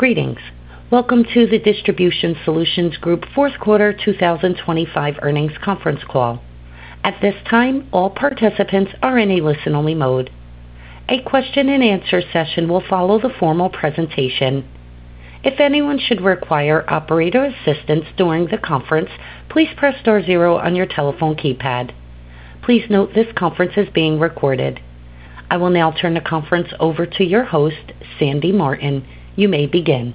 Greetings. Welcome to the Distribution Solutions Group Fourth Quarter 2025 Earnings Conference Call. At this time, all participants are in a listen-only mode. A question-and-answer session will follow the formal presentation. If anyone should require operator assistance during the conference, please press star zero on your telephone keypad. Please note this conference is being recorded. I will now turn the conference over to your host, Sandy Martin. You may begin.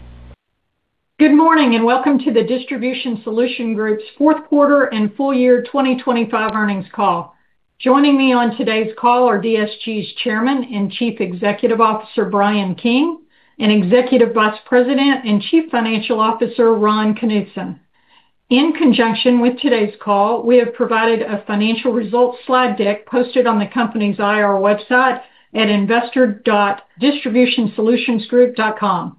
Good morning, welcome to the Distribution Solutions Group's fourth quarter and full-year 2025 earnings call. Joining me on today's call are DSG's Chairman and Chief Executive Officer, Bryan King, and Executive Vice President and Chief Financial Officer, Ron Knutson. In conjunction with today's call, we have provided a financial results slide deck posted on the company's IR website at investor.distributionsolutionsgroup.com.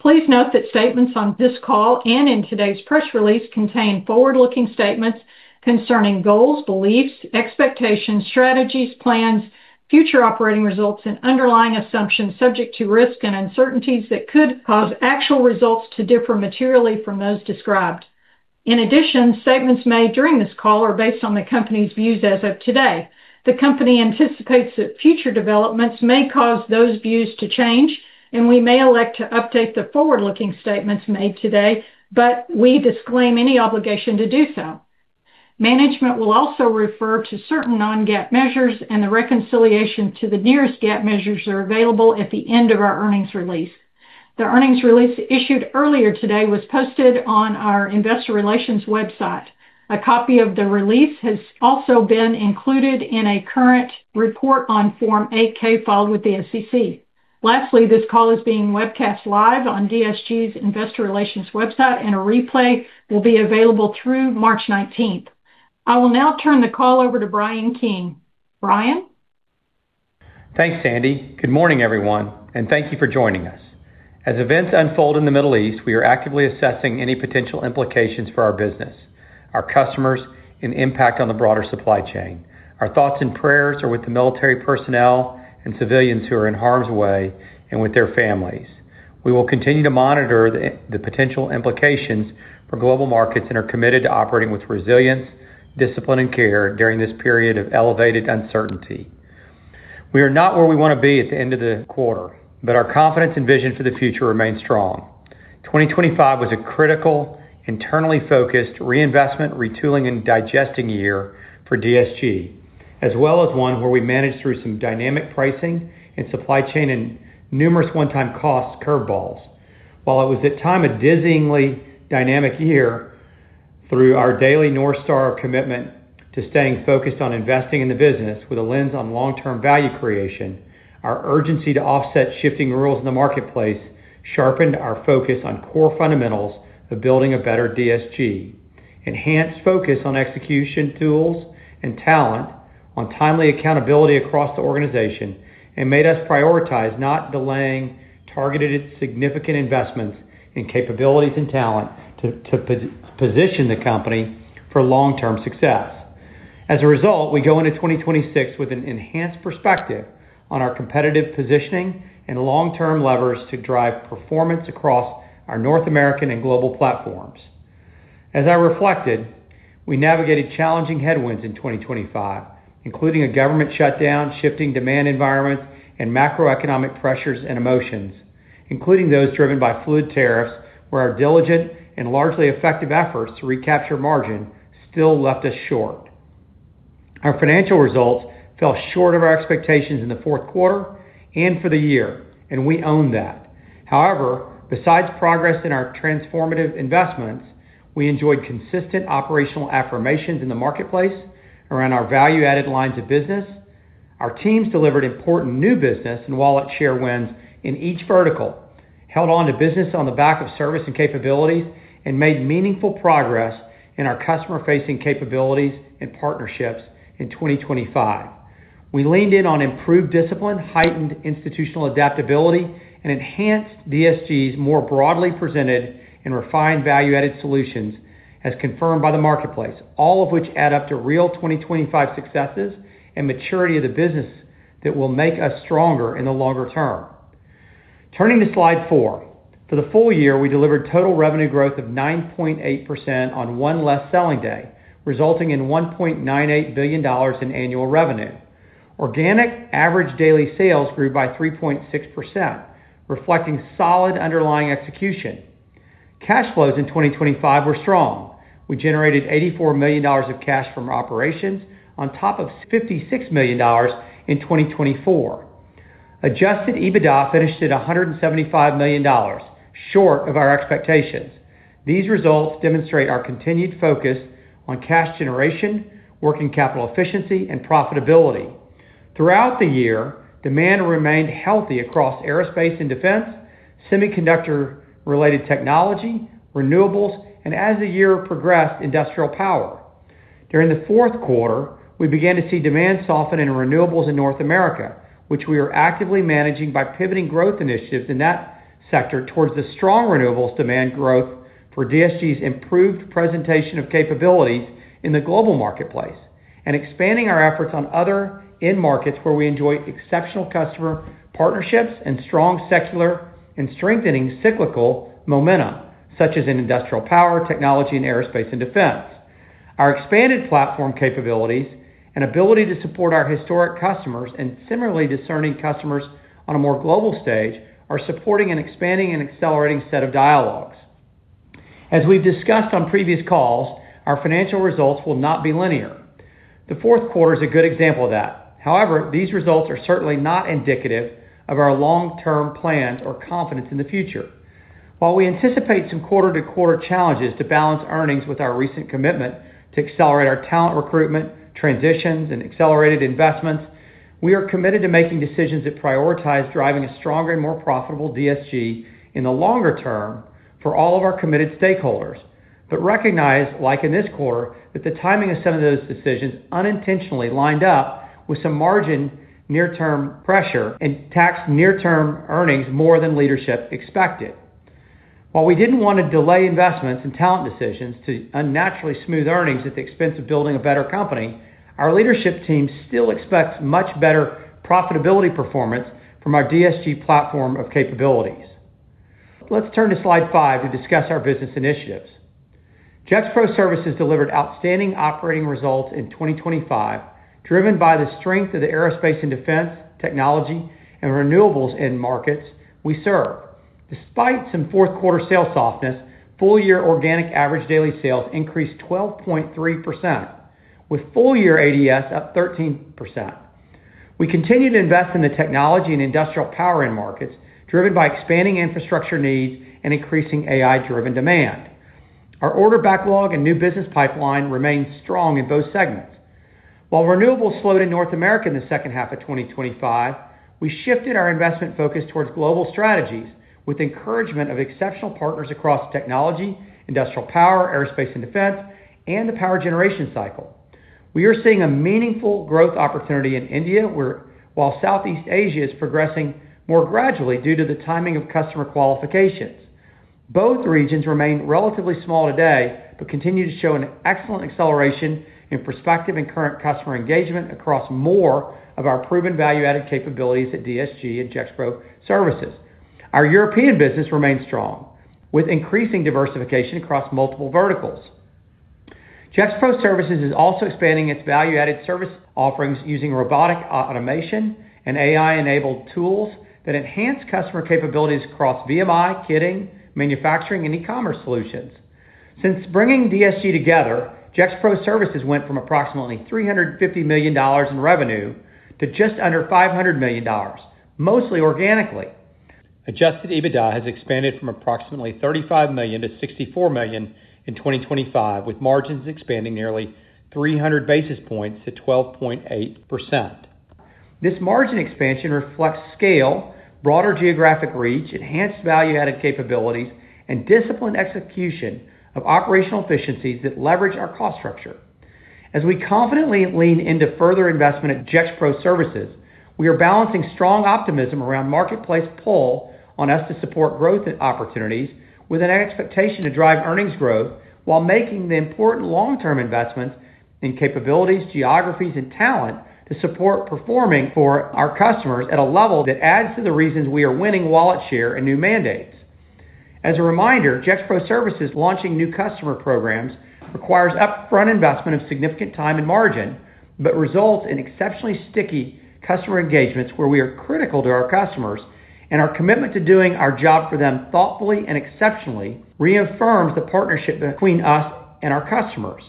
Please note that statements on this call and in today's press release contain forward-looking statements concerning goals, beliefs, expectations, strategies, plans, future operating results and underlying assumptions subject to risk and uncertainties that could cause actual results to differ materially from those described. In addition, statements made during this call are based on the company's views as of today. The company anticipates that future developments may cause those views to change, and we may elect to update the forward-looking statements made today, but we disclaim any obligation to do so. Management will also refer to certain non-GAAP measures, and the reconciliation to the nearest GAAP measures are available at the end of our earnings release. The earnings release issued earlier today was posted on our investor relations website. A copy of the release has also been included in a current report on Form 8-K filed with the SEC. Lastly, this call is being webcast live on DSG's investor relations website, and a replay will be available through March 19th. I will now turn the call over to Bryan King. Bryan? Thanks, Sandy. Good morning, everyone, and thank you for joining us. As events unfold in the Middle East, we are actively assessing any potential implications for our business, our customers, and impact on the broader supply chain. Our thoughts and prayers are with the military personnel and civilians who are in harm's way and with their families. We will continue to monitor the potential implications for global markets and are committed to operating with resilience, discipline, and care during this period of elevated uncertainty. We are not where we wanna be at the end of the quarter, but our confidence and vision for the future remain strong. 2025 was a critical, internally focused reinvestment, retooling, and digesting year for DSG, as well as one where we managed through some dynamic pricing and supply chain and numerous one-time cost curveballs. While it was at time a dizzyingly dynamic year through our daily North Star commitment to staying focused on investing in the business with a lens on long-term value creation, our urgency to offset shifting rules in the marketplace sharpened our focus on core fundamentals of building a better DSG. Enhanced focus on execution tools and talent on timely accountability across the organization and made us prioritize not delaying targeted significant investments in capabilities and talent to position the company for long-term success. As a result, we go into 2026 with an enhanced perspective on our competitive positioning and long-term levers to drive performance across our North American and global platforms. As I reflected, we navigated challenging headwinds in 2025, including a government shutdown, shifting demand environment, and macroeconomic pressures and emotions, including those driven by fluid tariffs, where our diligent and largely effective efforts to recapture margin still left us short. Our financial results fell short of our expectations in the fourth quarter and for the year, and we own that. However, besides progress in our transformative investments, we enjoyed consistent operational affirmations in the marketplace around our value-added lines of business. Our teams delivered important new business and wallet share wins in each vertical, held on to business on the back of service and capabilities, and made meaningful progress in our customer-facing capabilities and partnerships in 2025. We leaned in on improved discipline, heightened institutional adaptability, and enhanced DSG's more broadly presented and refined value-added solutions as confirmed by the marketplace, all of which add up to real 2025 successes and maturity of the business that will make us stronger in the longer term. Turning to slide four. For the full- year, we delivered total revenue growth of 9.8% on one less selling day, resulting in $1.98 billion in annual revenue. Organic average daily sales grew by 3.6%, reflecting solid underlying execution. Cash flows in 2025 were strong. We generated $84 million of cash from operations on top of $56 million in 2024. Adjusted EBITDA finished at $175 million, short of our expectations. These results demonstrate our continued focus on cash generation, working capital efficiency, and profitability. Throughout the year, demand remained healthy across aerospace and defense, semiconductor-related technology, renewables, and as the year progressed, industrial power. During the fourth quarter, we began to see demand soften in renewables in North America, which we are actively managing by pivoting growth initiatives in that sector towards the strong renewables demand growth for DSG's improved presentation of capabilities in the global marketplace. Expanding our efforts on other end markets where we enjoy exceptional customer partnerships and strong secular and strengthening cyclical momentum, such as in industrial power, technology, and aerospace and defense. Our expanded platform capabilities and ability to support our historic customers and similarly discerning customers on a more global stage are supporting and expanding an accelerating set of dialogues. As we've discussed on previous calls, our financial results will not be linear. The fourth quarter is a good example of that. These results are certainly not indicative of our long-term plans or confidence in the future. While we anticipate some quarter-to-quarter challenges to balance earnings with our recent commitment to accelerate our talent recruitment, transitions, and accelerated investments, we are committed to making decisions that prioritize driving a stronger and more profitable DSG in the longer term for all of our committed stakeholders. Recognize, like in this quarter, that the timing of some of those decisions unintentionally lined up with some margin near-term pressure and taxed near-term earnings more than leadership expected. While we didn't want to delay investments and talent decisions to unnaturally smooth earnings at the expense of building a better company, our leadership team still expects much better profitability performance from our DSG platform of capabilities. Let's turn to slide five to discuss our business initiatives. Gexpro Services delivered outstanding operating results in 2025, driven by the strength of the aerospace and defense, technology, and renewables end markets we serve. Despite some fourth quarter sales softness, full-year organic average daily sales increased 12.3%, with full-year ADS up 13%. We continue to invest in the technology and industrial power end markets, driven by expanding infrastructure needs and increasing AI-driven demand. Our order backlog and new business pipeline remains strong in both segments. While renewables slowed in North America in the second half of 2025, we shifted our investment focus towards global strategies with the encouragement of exceptional partners across technology, industrial power, aerospace and defense, and the power generation cycle. We are seeing a meaningful growth opportunity in India, while Southeast Asia is progressing more gradually due to the timing of customer qualifications. Both regions remain relatively small today, continue to show an excellent acceleration in prospective and current customer engagement across more of our proven value-added capabilities at DSG and Gexpro Services. Our European business remains strong, with increasing diversification across multiple verticals. Gexpro Services is also expanding its value-added service offerings using robotic automation and AI-enabled tools that enhance customer capabilities across VMI, kitting, manufacturing, and e-commerce solutions. Since bringing DSG together, Gexpro Services went from approximately $350 million in revenue to just under $500 million, mostly organically. Adjusted EBITDA has expanded from approximately $35 million to $64 million in 2025, with margins expanding nearly 300 basis points to 12.8%. This margin expansion reflects scale, broader geographic reach, enhanced value-added capabilities, and disciplined execution of operational efficiencies that leverage our cost structure. As we confidently lean into further investment at Gexpro Services, we are balancing strong optimism around marketplace pull on us to support growth opportunities with an expectation to drive earnings growth while making the important long-term investments in capabilities, geographies, and talent to support performing for our customers at a level that adds to the reasons we are winning wallet share and new mandates. As a reminder, Gexpro Services launching new customer programs requires upfront investment of significant time and margin, but results in exceptionally sticky customer engagements where we are critical to our customers, and our commitment to doing our job for them thoughtfully and exceptionally reaffirms the partnership between us and our customers.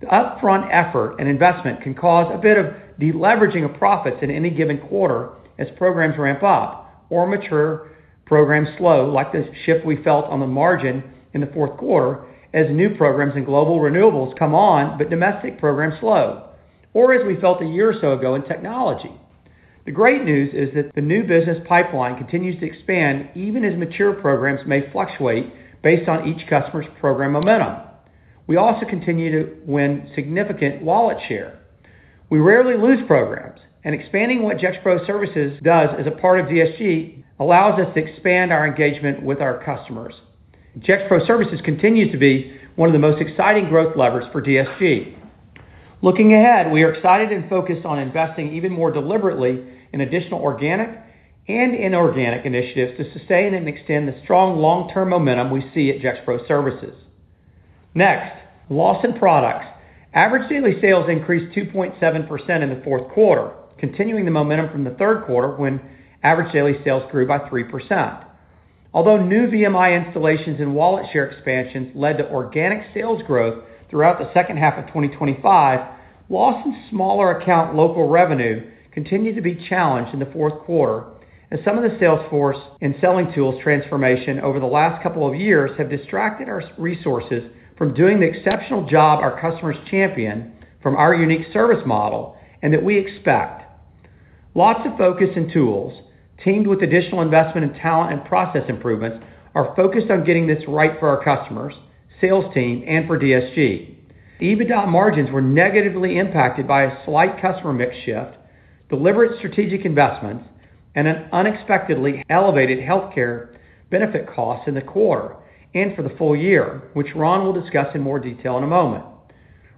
The upfront effort and investment can cause a bit of deleveraging of profits in any given quarter as programs ramp up or mature programs slow, like the shift we felt on the margin in the fourth quarter as new programs in global renewables come on but domestic programs slow, or as we felt a year or so ago in technology. The great news is that the new business pipeline continues to expand even as mature programs may fluctuate based on each customer's program momentum. We also continue to win significant wallet share. We rarely lose programs, and expanding what Gexpro Services does as a part of DSG allows us to expand our engagement with our customers. Gexpro Services continues to be one of the most exciting growth levers for DSG. Looking ahead, we are excited and focused on investing even more deliberately in additional organic and inorganic initiatives to sustain and extend the strong long-term momentum we see at Gexpro Services. Next, Lawson Products. Average daily sales increased 2.7% in the fourth quarter, continuing the momentum from the third quarter, when average daily sales grew by 3%. Although new VMI installations and wallet share expansions led to organic sales growth throughout the second half of 2025, Lawson's smaller account local revenue continued to be challenged in the fourth quarter as some of the sales force and selling tools transformation over the last couple of years have distracted our resources from doing the exceptional job our customers champion from our unique service model and that we expect. Lots of focus and tools, teamed with additional investment in talent and process improvements, are focused on getting this right for our customers, sales team, and for DSG. EBITDA margins were negatively impacted by a slight customer mix shift, deliberate strategic investments, and an unexpectedly elevated healthcare benefit cost in the quarter and for the full-year, which Ron will discuss in more detail in a moment.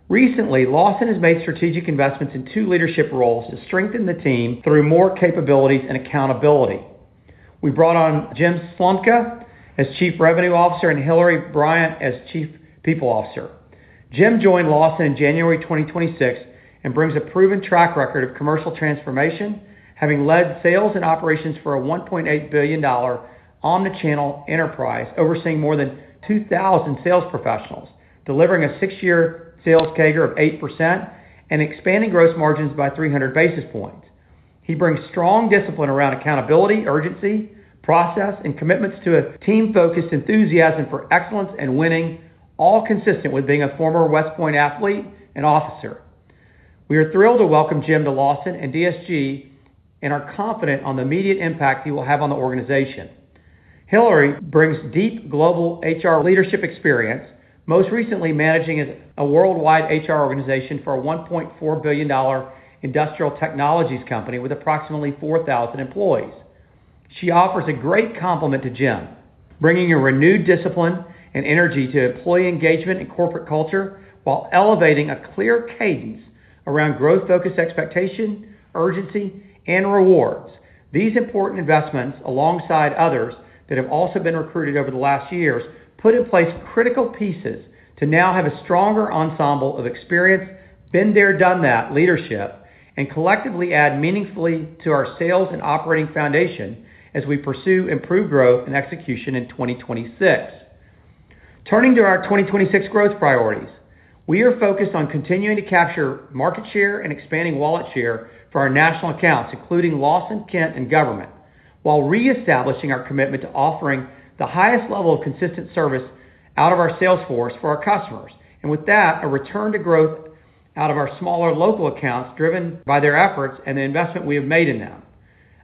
Recently, Lawson has made strategic investments in two leadership roles to strengthen the team through more capabilities and accountability. We brought on Jim Slomka as Chief Revenue Officer and Hillary Bryant as Chief People Officer. Jim joined Lawson Products in January 2026 and brings a proven track record of commercial transformation, having led sales and operations for a $1.8 billion omnichannel enterprise, overseeing more than 2,000 sales professionals, delivering a six-year sales CAGR of 8% and expanding gross margins by 300 basis points. He brings strong discipline around accountability, urgency, process, and commitments to a team-focused enthusiasm for excellence and winning, all consistent with being a former West Point athlete and officer. We are thrilled to welcome Jim to Lawson Products and DSG and are confident on the immediate impact he will have on the organization. Hillary brings deep global HR leadership experience, most recently managing a worldwide HR organization for a $1.4 billion industrial technologies company with approximately 4,000 employees. She offers a great complement to Jim, bringing a renewed discipline and energy to employee engagement and corporate culture while elevating a clear cadence around growth-focused expectation, urgency, and rewards. These important investments, alongside others that have also been recruited over the last years, put in place critical pieces to now have a stronger ensemble of experienced, been-there-done-that leadership and collectively add meaningfully to our sales and operating foundation as we pursue improved growth and execution in 2026. Turning to our 2026 growth priorities. We are focused on continuing to capture market share and expanding wallet share for our national accounts, including Lawson, Kent, and Government, while reestablishing our commitment to offering the highest level of consistent service out of our sales force for our customers. With that, a return to growth out of our smaller local accounts driven by their efforts and the investment we have made in them.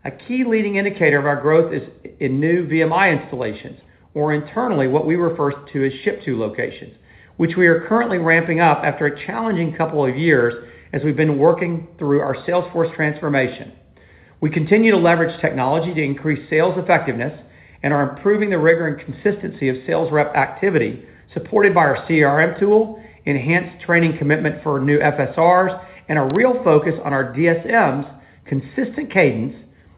A key leading indicator of our growth is in new VMI installations, or internally what we refer to as ship-to locations, which we are currently ramping up after a challenging couple of years as we've been working through our sales force transformation. We continue to leverage technology to increase sales effectiveness and are improving the rigor and consistency of sales rep activity supported by our CRM tool, enhanced training commitment for new FSRs, and a real focus on our DSMs consistent cadence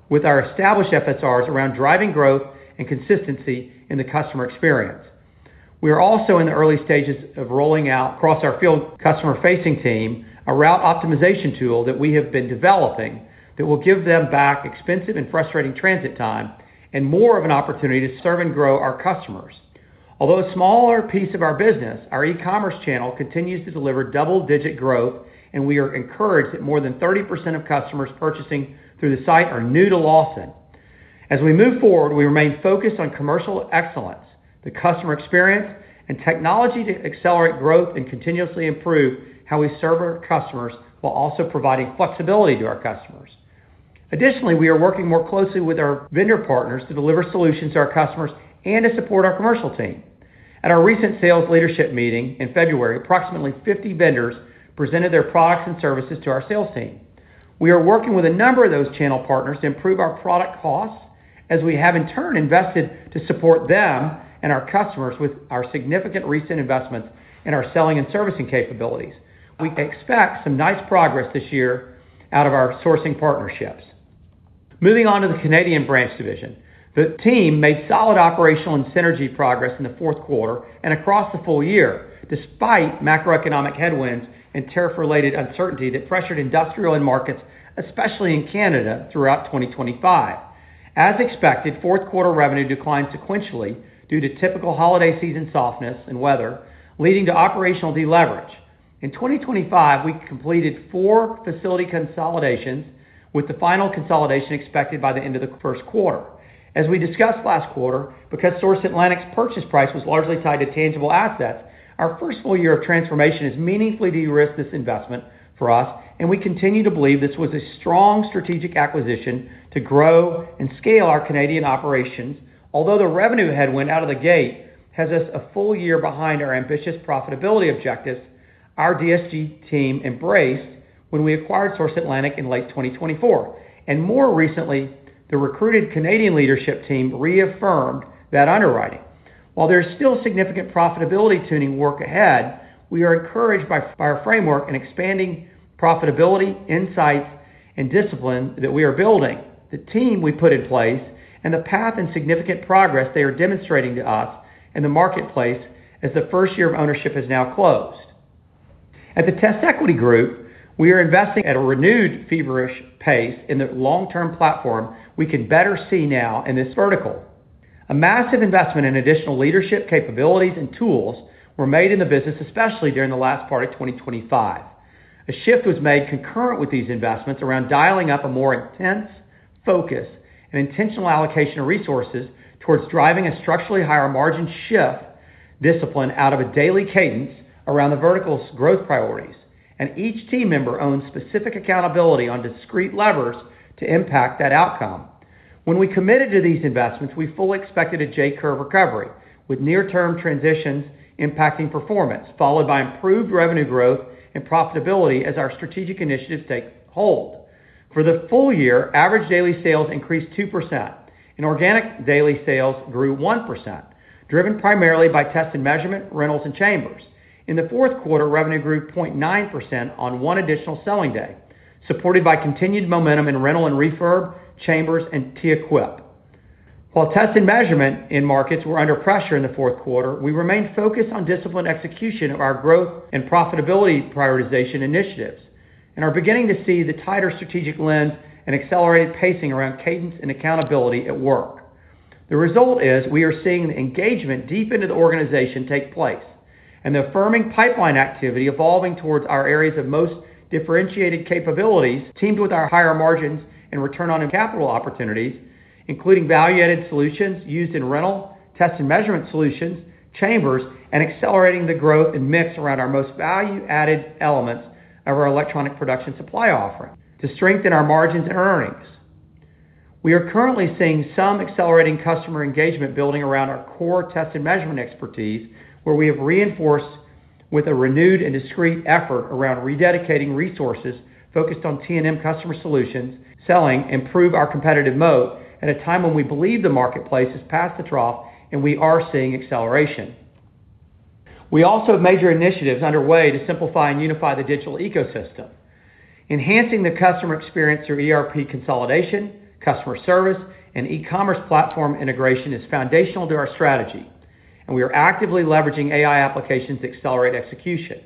with our established FSRs around driving growth and consistency in the customer experience. We are also in the early stages of rolling out across our field customer-facing team, a route optimization tool that we have been developing that will give them back expensive and frustrating transit time and more of an opportunity to serve and grow our customers. Although a smaller piece of our business, our e-commerce channel continues to deliver double-digit growth, and we are encouraged that more than 30% of customers purchasing through the site are new to Lawson. As we move forward, we remain focused on commercial excellence, the customer experience, and technology to accelerate growth and continuously improve how we serve our customers while also providing flexibility to our customers. Additionally, we are working more closely with our vendor partners to deliver solutions to our customers and to support our commercial team. At our recent sales leadership meeting in February, approximately 50 vendors presented their products and services to our sales team. We are working with a number of those channel partners to improve our product costs as we have in turn invested to support them and our customers with our significant recent investments in our selling and servicing capabilities. We expect some nice progress this year out of our sourcing partnerships. Moving on to the Canadian branch division. The team made solid operational and synergy progress in the 4th quarter and across the full-year, despite macroeconomic headwinds and tariff-related uncertainty that pressured industrial end markets, especially in Canada, throughout 2025. As expected, 4th quarter revenue declined sequentially due to typical holiday season softness and weather, leading to operational deleverage. In 2025, we completed four facility consolidations, with the final consolidation expected by the end of the 1st quarter. As we discussed last quarter, because Source Atlantic's purchase price was largely tied to tangible assets, our first full-year of transformation has meaningfully de-risked this investment for us, and we continue to believe this was a strong strategic acquisition to grow and scale our Canadian operations. Although the revenue headwind out of the gate has us a full-year behind our ambitious profitability objectives our DSG team embraced when we acquired Source Atlantic in late 2024. More recently, the recruited Canadian leadership team reaffirmed that underwriting. While there is still significant profitability tuning work ahead, we are encouraged by our framework in expanding profitability, insights, and discipline that we are building, the team we put in place, and the path and significant progress they are demonstrating to us in the marketplace as the first year of ownership is now closed. At the TestEquity Group, we are investing at a renewed feverish pace in the long-term platform we can better see now in this vertical. A massive investment in additional leadership capabilities and tools were made in the business, especially during the last part of 2025. A shift was made concurrent with these investments around dialing up a more intense focus and intentional allocation of resources towards driving a structurally higher margin shift discipline out of a daily cadence around the vertical's growth priorities. Each team member owns specific accountability on discrete levers to impact that outcome. When we committed to these investments, we fully expected a J-curve recovery, with near-term transitions impacting performance, followed by improved revenue growth and profitability as our strategic initiatives take hold. For the full-year, average daily sales increased 2%, organic daily sales grew 1%, driven primarily by test and measurement, rentals, and chambers. In the fourth quarter, revenue grew 0.9% on one additional selling day, supported by continued momentum in rental and refurb chambers and TestEquity. While test and measurement end markets were under pressure in the fourth quarter, we remain focused on disciplined execution of our growth and profitability prioritization initiatives and are beginning to see the tighter strategic lens and accelerated pacing around cadence and accountability at work. The result is we are seeing engagement deep into the organization take place, and the affirming pipeline activity evolving towards our areas of most differentiated capabilities, teamed with our higher margins and return on capital opportunities, including value-added solutions used in rental, Test and Measurement solutions, chambers, and accelerating the growth and mix around our most value-added elements of our electronic production supply offering to strengthen our margins and earnings. We are currently seeing some accelerating customer engagement building around our core Test and Measurement expertise, where we have reinforced with a renewed and discrete effort around rededicating resources focused on T&M customer solutions, selling, improve our competitive moat at a time when we believe the marketplace has passed the trough and we are seeing acceleration. We also have major initiatives underway to simplify and unify the digital ecosystem. Enhancing the customer experience through ERP consolidation, customer service, and e-commerce platform integration is foundational to our strategy, and we are actively leveraging AI applications to accelerate execution.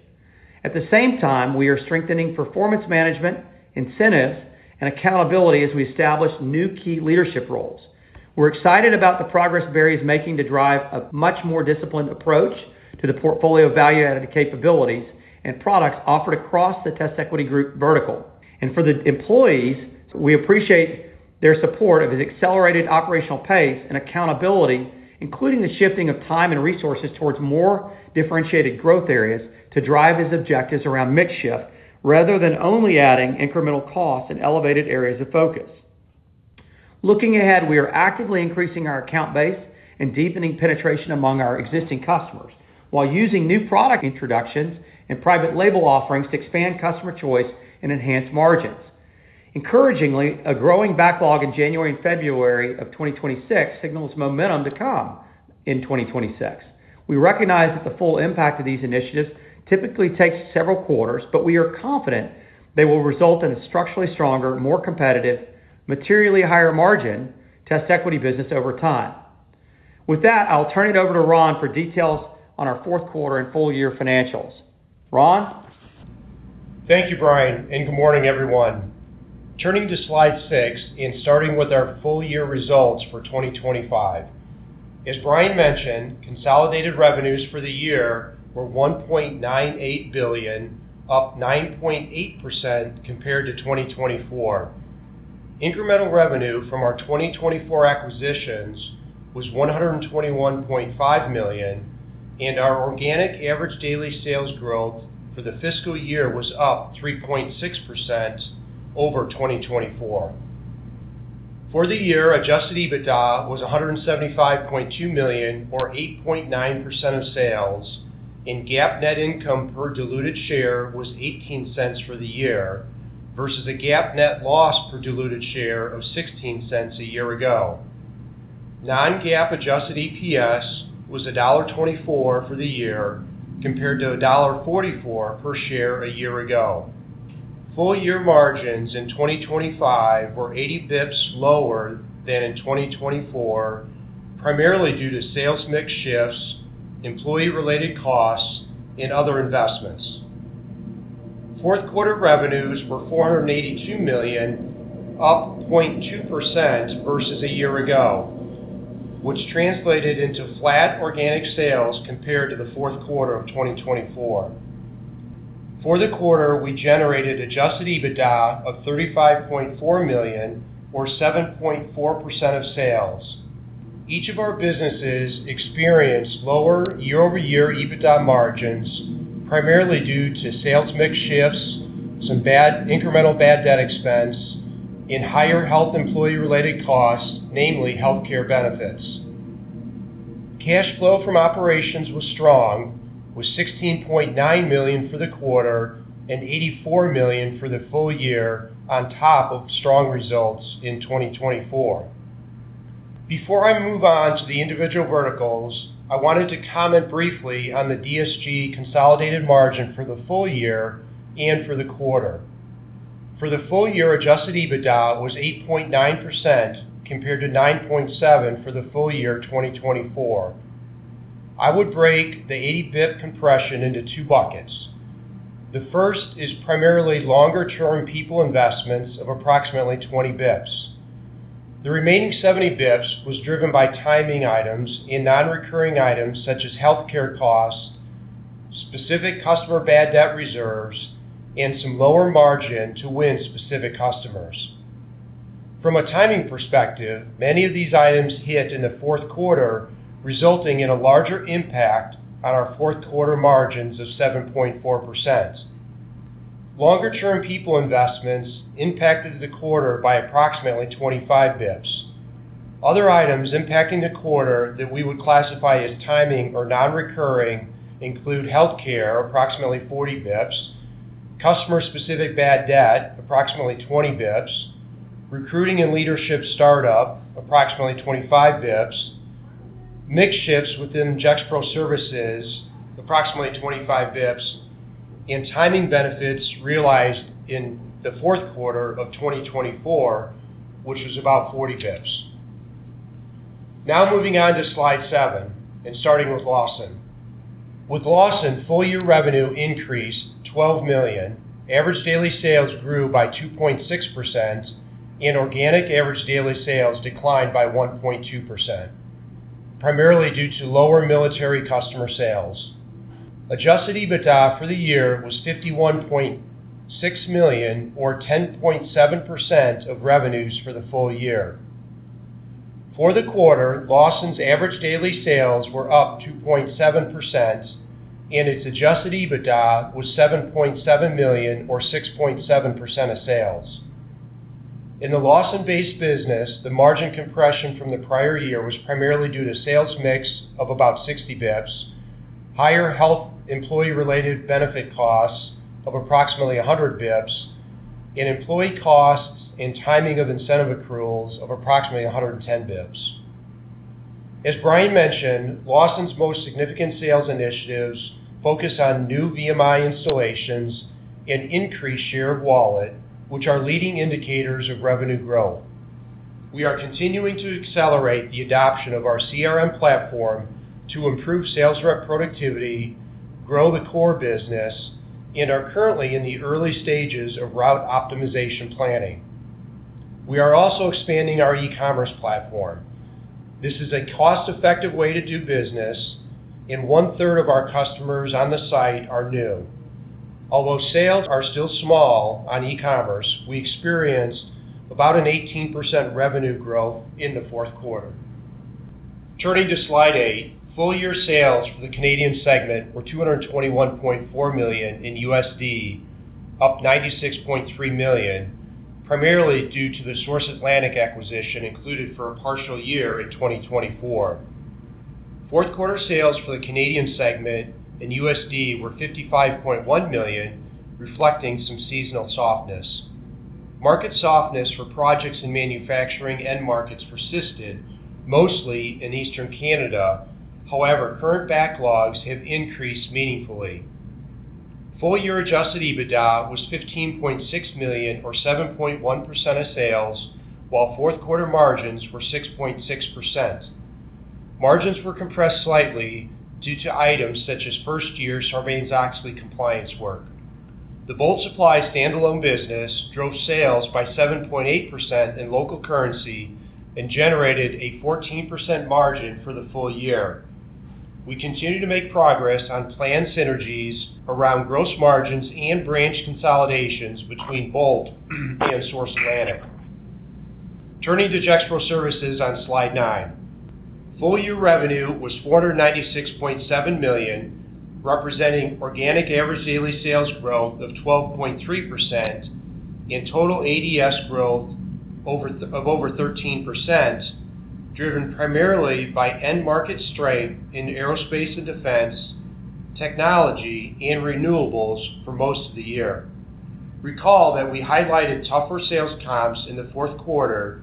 At the same time, we are strengthening performance management, incentives, and accountability as we establish new key leadership roles. We're excited about the progress Barry is making to drive a much more disciplined approach to the portfolio of value-added capabilities and products offered across the TestEquity Group vertical. For the employees, we appreciate their support of his accelerated operational pace and accountability, including the shifting of time and resources towards more differentiated growth areas to drive his objectives around mix shift rather than only adding incremental costs in elevated areas of focus. Looking ahead, we are actively increasing our account base and deepening penetration among our existing customers while using new product introductions and private label offerings to expand customer choice and enhance margins. Encouragingly, a growing backlog in January and February of 2026 signals momentum to come in 2026. We recognize that the full impact of these initiatives typically takes several quarters, but we are confident they will result in a structurally stronger, more competitive, materially higher margin TestEquity business over time. With that, I'll turn it over to Ron for details on our fourth quarter and full-year financials. Ron? Thank you, Bryan, and good morning, everyone. Turning to slide six and starting with our full-year results for 2025. As Bryan mentioned, consolidated revenues for the year were $1.98 billion, up 9.8% compared to 2024. Incremental revenue from our 2024 acquisitions was $121.5 million, and our organic average daily sales growth for the fiscal year was up 3.6% over 2024. For the year, Adjusted EBITDA was $175.2 million or 8.9% of sales, and GAAP net income per diluted share was $0.18 for the year versus a GAAP net loss per diluted share of $0.16 a year ago. Non-GAAP adjusted EPS was $1.24 for the year compared to $1.44 per share a year ago. full-year margins in 2025 were 80 basis points lower than in 2024, primarily due to sales mix shifts, employee-related costs, and other investments. Fourth quarter revenues were $482 million, up 0.2% versus a year ago, which translated into flat organic sales compared to the fourth quarter of 2024. For the quarter, we generated Adjusted EBITDA of $35.4 million or 7.4% of sales. Each of our businesses experienced lower year-over-year EBITDA margins, primarily due to sales mix shifts, some incremental bad debt expense, and higher health employee-related costs, namely healthcare benefits. Cash flow from operations was strong, with $16.9 million for the quarter and $84 million for the full-year on top of strong results in 2024. Before I move on to the individual verticals, I wanted to comment briefly on the DSG consolidated margin for the full-year and for the quarter. For the full-year, Adjusted EBITDA was 8.9% compared to 9.7% for the full-year 2024. I would break the 80 bips compression into two buckets. The first is primarily longer-term people investments of approximately 20 bips. The remaining 70 bips was driven by timing items and non-recurring items such as healthcare costs, specific customer bad debt reserves, and some lower margin to win specific customers. From a timing perspective, many of these items hit in the fourth quarter, resulting in a larger impact on our fourth quarter margins of 7.4%. Longer-term people investments impacted the quarter by approximately 25 bips. Other items impacting the quarter that we would classify as timing or non-recurring include healthcare, approximately 40 bips, customer specific bad debt, approximately 20 bips. Recruiting and leadership startup approximately 25 bps, mix shifts within Gexpro Services approximately 25 bps, and timing benefits realized in the fourth quarter of 2024, which was about 40 bps. Moving on to slide seven and starting with Lawson. With Lawson, full-year revenue increased $12 million, average daily sales grew by 2.6%, and organic average daily sales declined by 1.2%, primarily due to lower military customer sales. Adjusted EBITDA for the year was $51.6 million or 10.7% of revenues for the full-year. For the quarter, Lawson's average daily sales were up 2.7% and its Adjusted EBITDA was $7.7 million or 6.7% of sales. In the Lawson-based business, the margin compression from the prior year was primarily due to sales mix of about 60 bps, higher health employee-related benefit costs of approximately 100 bps, and employee costs and timing of incentive accruals of approximately 110 bps. As Bryan mentioned, Lawson's most significant sales initiatives focus on new VMI installations and increased share of wallet, which are leading indicators of revenue growth. We are continuing to accelerate the adoption of our CRM platform to improve sales rep productivity, grow the core business, and are currently in the early stages of route optimization planning. We are also expanding our e-commerce platform. This is a cost-effective way to do business, and 1/3 of our customers on the site are new. Although sales are still small on e-commerce, we experienced about an 18% revenue growth in the fourth quarter. Turning to slide eight, full-year sales for the Canadian segment were $221.4 million in USD, up $96.3 million, primarily due to the Source Atlantic acquisition included for a partial year in 2024. Fourth quarter sales for the Canadian segment in USD were $55.1 million, reflecting some seasonal softness. Market softness for projects in manufacturing end markets persisted, mostly in Eastern Canada. However, current backlogs have increased meaningfully. full-year Adjusted EBITDA was $15.6 million or 7.1% of sales, while fourth quarter margins were 6.6%. Margins were compressed slightly due to items such as first-year Sarbanes-Oxley compliance work. The Bolt Supply standalone business drove sales by 7.8% in local currency and generated a 14% margin for the full-year. We continue to make progress on planned synergies around gross margins and branch consolidations between Bolt and Source Atlantic. Turning to Gexpro Services on slide nine full-year revenue was $496.7 million, representing organic average daily sales growth of 12.3% and total ADS growth of over 13%, driven primarily by end market strength in aerospace and defense, technology, and renewables for most of the year. Recall that we highlighted tougher sales comps in the fourth quarter,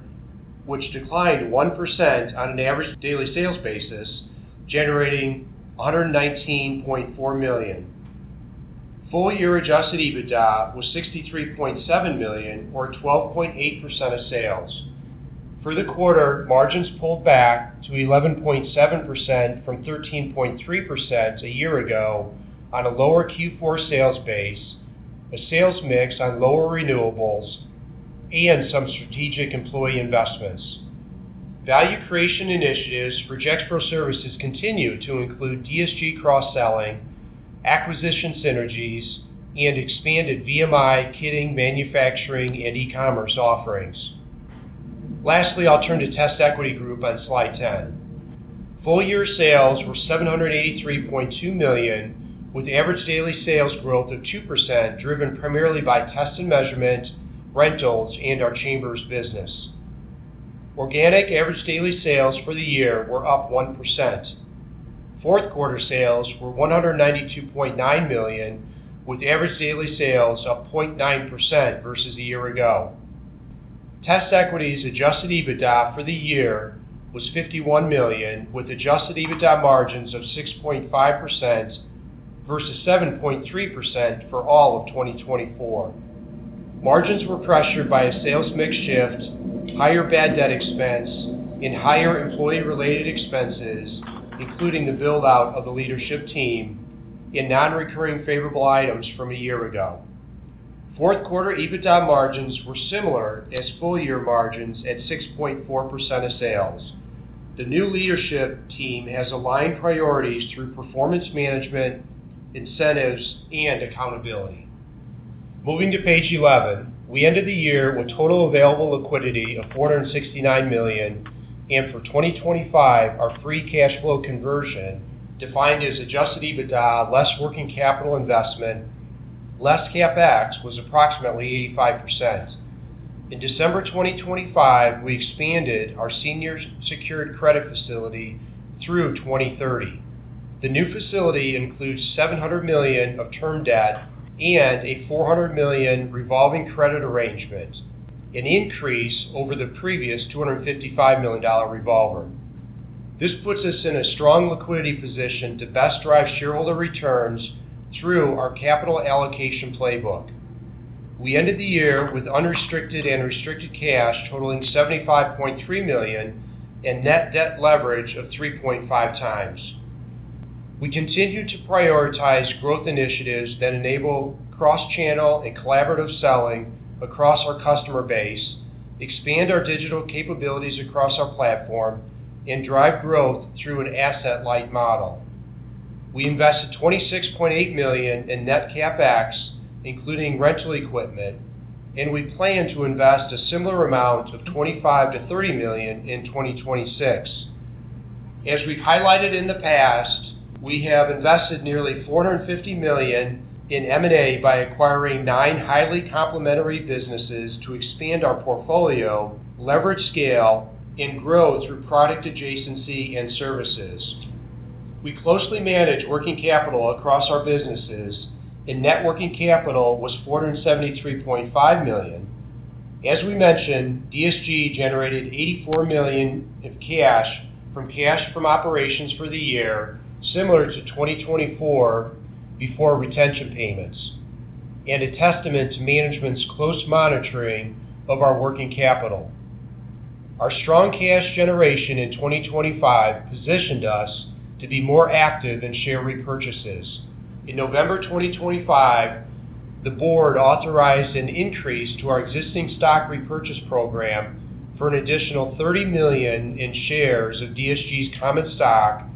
which declined 1% on an average daily sales basis, generating $119.4 million. full-year Adjusted EBITDA was $63.7 million or 12.8% of sales. For the quarter, margins pulled back to 11.7% from 13.3% a year ago on a lower Q4 sales base, a sales mix on lower renewables, and some strategic employee investments. Value creation initiatives for Gexpro Services continue to include DSG cross-selling, acquisition synergies, and expanded VMI kitting, manufacturing, and e-commerce offerings. Lastly, I'll turn to TestEquity Group on slide 10. full-year sales were $783.2 million, with average daily sales growth of 2%, driven primarily by test and measurement, rentals, and our chambers business. Organic average daily sales for the year were up 1%. Fourth quarter sales were $192.9 million, with average daily sales up 0.9% versus a year ago. TestEquity's Adjusted EBITDA for the year was $51 million, with Adjusted EBITDA margins of 6.5% versus 7.3% for all of 2024. Margins were pressured by a sales mix shift, higher bad debt expense, and higher employee-related expenses, including the build-out of the leadership team and non-recurring favorable items from a year ago. Fourth quarter EBITDA margins were similar as full-year margins at 6.4% of sales. The new leadership team has aligned priorities through performance management, incentives, and accountability. Moving to page 11, we ended the year with total available liquidity of $469 million. For 2025, our free cash flow conversion, defined as Adjusted EBITDA less working capital investment, less CapEx, was approximately 85%. In December 2025, we expanded our senior secured credit facility through 2030. The new facility includes $700 million of term debt and a $400 million revolving credit arrangement, an increase over the previous $255 million revolver. This puts us in a strong liquidity position to best drive shareholder returns through our capital allocation playbook. We ended the year with unrestricted and restricted cash totaling $75.3 million and net debt leverage of 3.5 times. We continue to prioritize growth initiatives that enable cross-channel and collaborative selling across our customer base, expand our digital capabilities across our platform, and drive growth through an asset-light model. We invested $26.8 million in net CapEx, including rental equipment, and we plan to invest a similar amount of $25 million-$30 million in 2026. As we've highlighted in the past, we have invested nearly $450 million in M&A by acquiring nine highly complementary businesses to expand our portfolio, leverage scale, and grow through product adjacency and services. We closely manage working capital across our businesses, and net working capital was $473.5 million. As we mentioned, DSG generated $84 million of cash from operations for the year, similar to 2024 before retention payments, and a testament to management's close monitoring of our working capital. Our strong cash generation in 2025 positioned us to be more active in share repurchases. In November 2025, the board authorized an increase to our existing stock repurchase program for an additional $30 million in shares of DSG's common stock,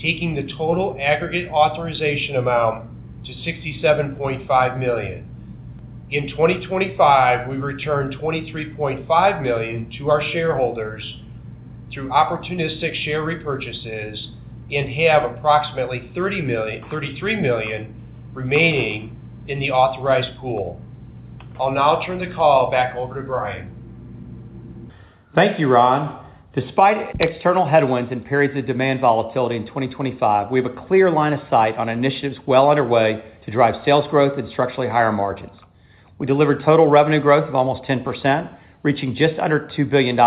taking the total aggregate authorization amount to $67.5 million. In 2025, we returned $23.5 million to our shareholders through opportunistic share repurchases and have approximately $33 million remaining in the authorized pool. I'll now turn the call back over to Bryan. Thank you, Ron. Despite external headwinds and periods of demand volatility in 2025, we have a clear line of sight on initiatives well underway to drive sales growth and structurally higher margins. We delivered total revenue growth of almost 10%, reaching just under $2 billion,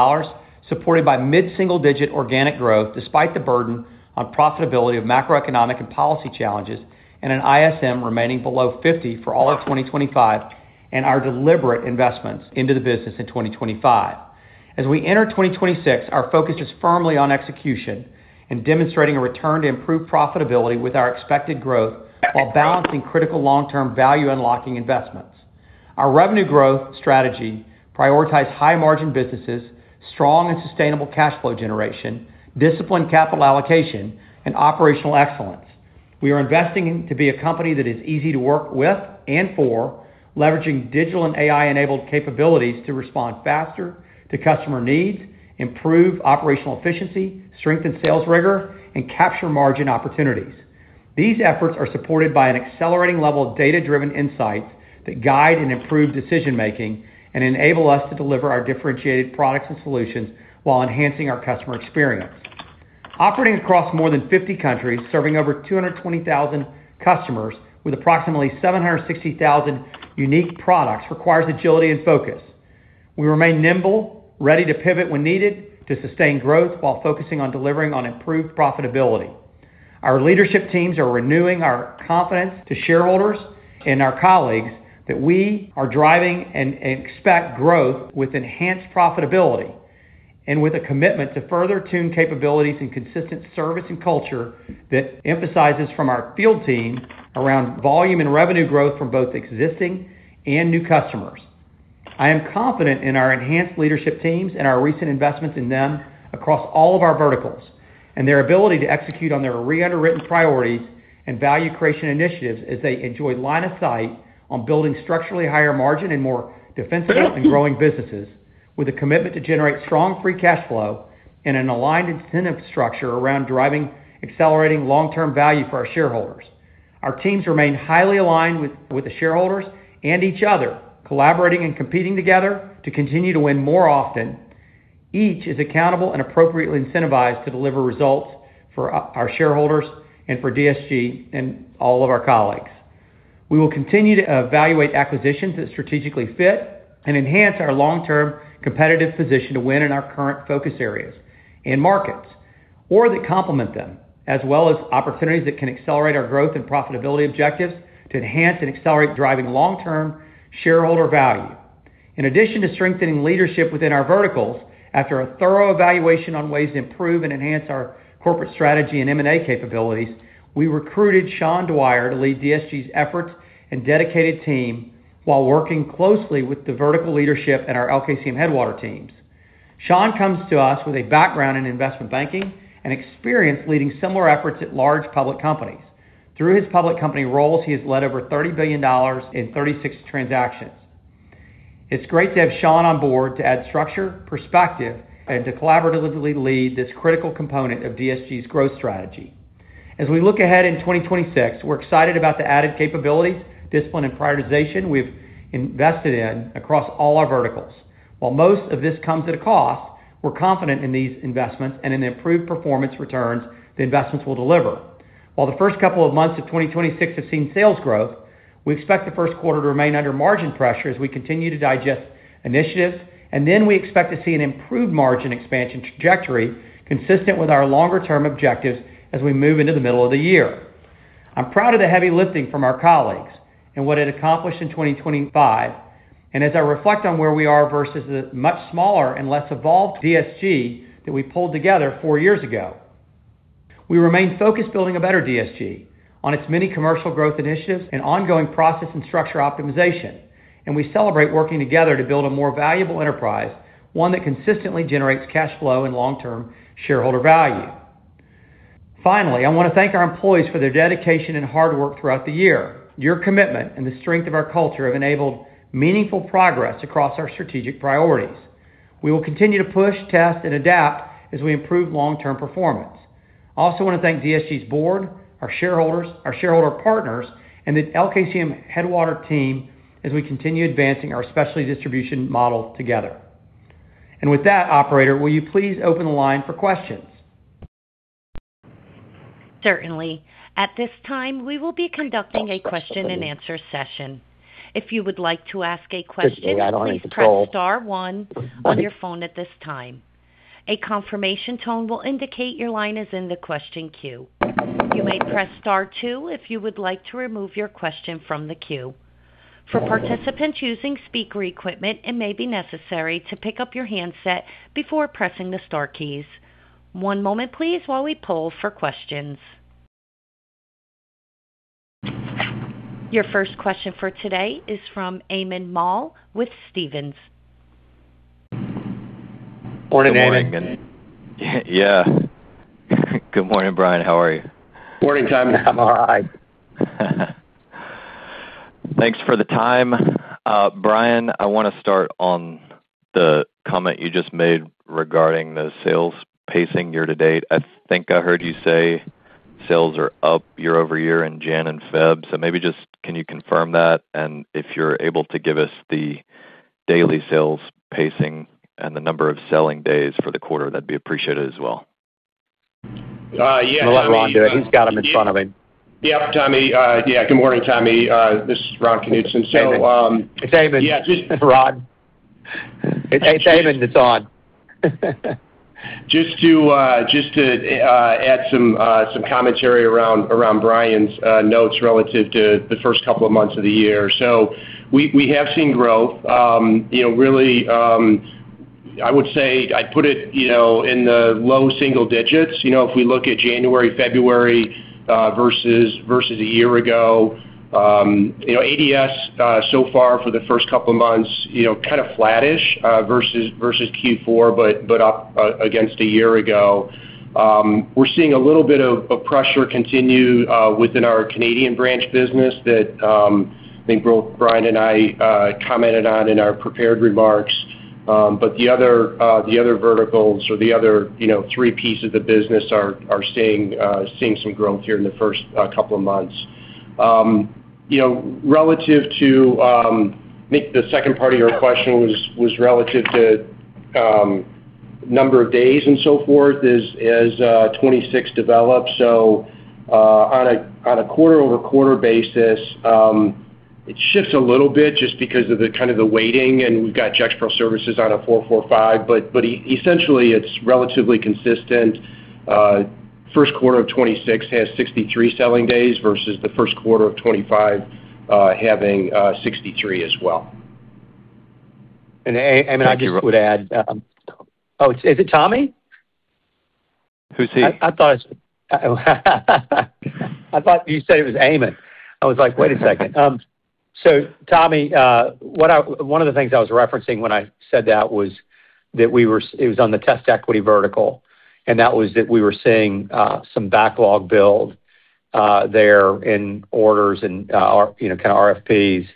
supported by mid-single-digit organic growth despite the burden on profitability of macroeconomic and policy challenges and an ISM remaining below 50 for all of 2025 and our deliberate investments into the business in 2025. As we enter 2026, our focus is firmly on execution and demonstrating a return to improved profitability with our expected growth while balancing critical long-term value unlocking investments. Our revenue growth strategy prioritize high-margin businesses, strong and sustainable cash flow generation, disciplined capital allocation, and operational excellence. We are investing to be a company that is easy to work with and for leveraging digital and AI-enabled capabilities to respond faster to customer needs, improve operational efficiency, strengthen sales rigor, and capture margin opportunities. These efforts are supported by an accelerating level of data-driven insights that guide and improve decision-making and enable us to deliver our differentiated products and solutions while enhancing our customer experience. Operating across more than 50 countries, serving over 220,000 customers with approximately 760,000 unique products requires agility and focus. We remain nimble, ready to pivot when needed to sustain growth while focusing on delivering on improved profitability. Our leadership teams are renewing our confidence to shareholders and our colleagues that we are driving and expect growth with enhanced profitability and with a commitment to further tune capabilities and consistent service and culture that emphasizes from our field team around volume and revenue growth from both existing and new customers. I am confident in our enhanced leadership teams and our recent investments in them across all of our verticals and their ability to execute on their re-underwritten priorities and value creation initiatives as they enjoy line of sight on building structurally higher margin and more defensible and growing businesses with a commitment to generate strong free cash flow and an aligned incentive structure around driving accelerating long-term value for our shareholders. Our teams remain highly aligned with the shareholders and each other, collaborating and competing together to continue to win more often. Each is accountable and appropriately incentivized to deliver results for our shareholders and for DSG and all of our colleagues. We will continue to evaluate acquisitions that strategically fit and enhance our long-term competitive position to win in our current focus areas and markets or that complement them, as well as opportunities that can accelerate our growth and profitability objectives to enhance and accelerate driving long-term shareholder value. In addition to strengthening leadership within our verticals, after a thorough evaluation on ways to improve and enhance our corporate strategy and M&A capabilities, we recruited Sean Dwyer to lead DSG's efforts and dedicated team while working closely with the vertical leadership and our LKCM Headwater teams. Sean comes to us with a background in investment banking and experience leading similar efforts at large public companies. Through his public company roles, he has led over $30 billion in 36 transactions. It's great to have Sean on board to add structure, perspective, and to collaboratively lead this critical component of DSG's growth strategy. As we look ahead in 2026, we're excited about the added capabilities, discipline, and prioritization we've invested in across all our verticals. While most of this comes at a cost We're confident in these investments and in the improved performance returns the investments will deliver. While the first couple of months of 2026 have seen sales growth, we expect the first quarter to remain under margin pressure as we continue to digest initiatives, and then we expect to see an improved margin expansion trajectory consistent with our longer-term objectives as we move into the middle of the year. I'm proud of the heavy lifting from our colleagues and what it accomplished in 2025. As I reflect on where we are versus the much smaller and less evolved DSG that we pulled together four years ago, we remain focused building a better DSG on its many commercial growth initiatives and ongoing process and structure optimization. We celebrate working together to build a more valuable enterprise, one that consistently generates cash flow and long-term shareholder value. Finally, I wanna thank our employees for their dedication and hard work throughout the year. Your commitment and the strength of our culture have enabled meaningful progress across our strategic priorities. We will continue to push, test, and adapt as we improve long-term performance. I also wanna thank DSG's board, our shareholders, our shareholder partners, and the LKCM Headwater Team as we continue advancing our specialty distribution model together. And with that, operator, will you please open the line for questions? Certainly. At this time, we will be conducting a question and answer session. If you would like to ask a question, please press star one on your phone at this time. A confirmation tone will indicate your line is in the question queue. You may press star two if you would like to remove your question from the queue. For participants using speaker equipment, it may be necessary to pick up your handset before pressing the star keys. One moment please while we poll for questions. Your first question for today is from Tommy Moll with Stephens. Morning, Tommy. Morning. Yeah. Good morning, Bryan. How are you? Morning, Tommy. I'm all right. Thanks for the time. Bryan, I want to start on the comment you just made regarding the sales pacing year-to-date. I think I heard you say sales are up year-over-year in January and February. Maybe just can you confirm that? If you're able to give us the daily sales pacing and the number of selling days for the quarter, that would be appreciated as well. Yeah. Let me, I'm gonna let Ron do it. He's got them in front of him. Yeah, Tommy. Yeah, good morning, Tommy. This is Ron Knutson. Eamon. It's Tommy. Yeah. Ron. Hey, Tommy, it's on. Just to add some commentary around Bryan's notes relative to the first two months of the year. We have seen growth, you know, really, I would say I'd put it, you know, in the low single digits. You know, if we look at January, February versus a year ago, you know, ADS so far for the first two months, you know, kind of flattish versus Q4 but up against a year ago. We're seeing a little bit of pressure continue within our Canadian branch business that I think both Bryan and I commented on in our prepared remarks. The other, the other verticals or the other, you know, three pieces of business are seeing some growth here in the first couple of months. You know, relative to, I think the second part of your question was relative to number of days and so forth as 26 develops. On a quarter-over-quarter basis, it shifts a little bit just because of the kind of the waiting, and we've got Gexpro Services on a 4-4-5. But essentially, it's relatively consistent. First quarter of 26 has 63 selling days versus the first quarter of 25 having 63 as well. Tommy I just would add. Oh, is it Tommy? Who's he? I thought it's... I thought you said it was Eamon. I was like, "Wait a second." Tommy, what one of the things I was referencing when I said that was that we were it was on the TestEquity vertical, and that was that we were seeing some backlog build there in orders and, you know, kind of RFPs.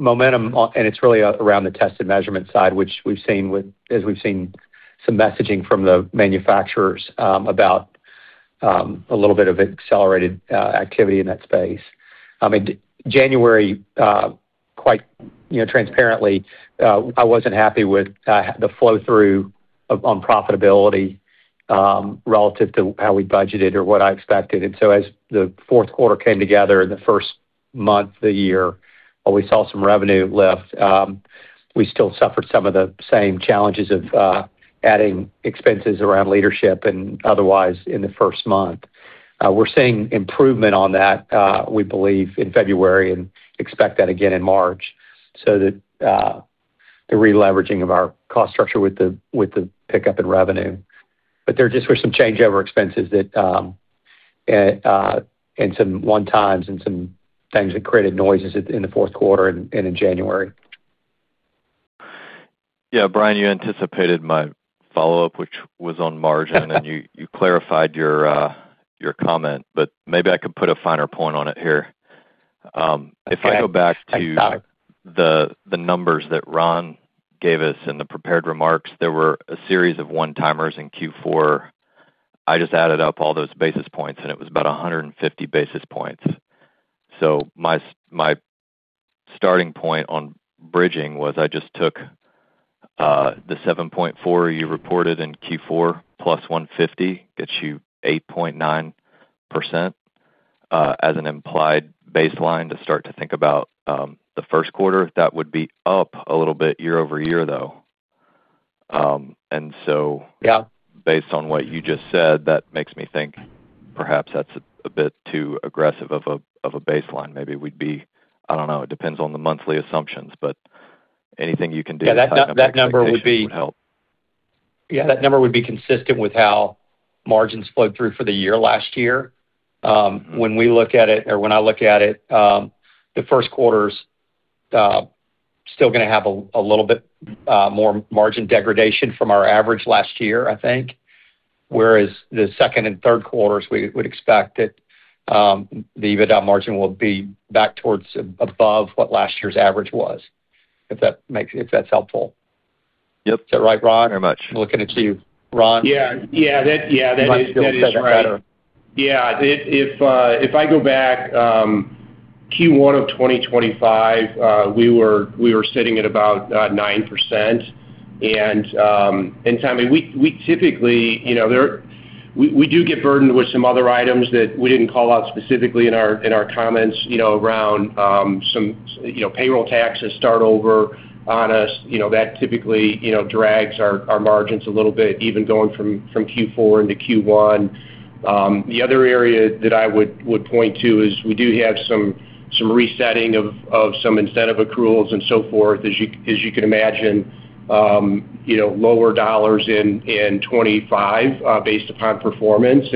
Momentum on and it's really around the test and measurement side, which we've seen with as we've seen some messaging from the manufacturers about a little bit of accelerated activity in that space. I mean, January, quite, you know, transparently, I wasn't happy with the flow-through of, on profitability, relative to how we budgeted or what I expected. As the fourth quarter came together in the first month of the year, while we saw some revenue lift, we still suffered some of the same challenges of adding expenses around leadership and otherwise in the first month. We're seeing improvement on that, we believe in February and expect that again in March. The re-leveraging of our cost structure with the pickup in revenue. There just were some changeover expenses that, and some one-times and some things that created noises in the fourth quarter and in January. Yeah. Bryan, you anticipated my follow-up, which was on margin. You clarified your comment, maybe I could put a finer point on it here. Okay. If I go back. I got it.... the numbers that Ron gave us in the prepared remarks, there were a series of one-timers in Q4. I just added up all those basis points, and it was about 150 basis points. My starting point on bridging was I just took, the 7.4 you reported in Q4 plus 150 gets you 8.9% as an implied baseline to start to think about the first quarter. That would be up a little bit year-over-year, though. Yeah... based on what you just said, that makes me think perhaps that's a bit too aggressive of a, of a baseline. I don't know. It depends on the monthly assumptions. Anything you can do to tighten up expectations would help. Yeah, that number would be consistent with how margins flowed through for the year last year. When we look at it or when I look at it, the first quarter's still gonna have a little bit more margin degradation from our average last year, I think. Whereas the second and third quarters, we would expect that the EBITDA margin will be back towards above what last year's average was, if that's helpful. Yep. Is that right, Ron? Very much. I'm looking at you, Ron. Yeah. Yeah, that, yeah, that is, that is right. You might be able to say that better. Yeah. If, if I go back, Q1 of 2025, we were sitting at about 9%. Tommy, we typically, you know, we do get burdened with some other items that we didn't call out specifically in our comments, you know, around some, you know, payroll taxes start over on us. You know, that typically, you know, drags our margins a little bit even going from Q4 into Q1. The other area that I would point to is we do have some resetting of some incentive accruals and so forth. As you can imagine, you know, lower dollars in 2025 based upon performance.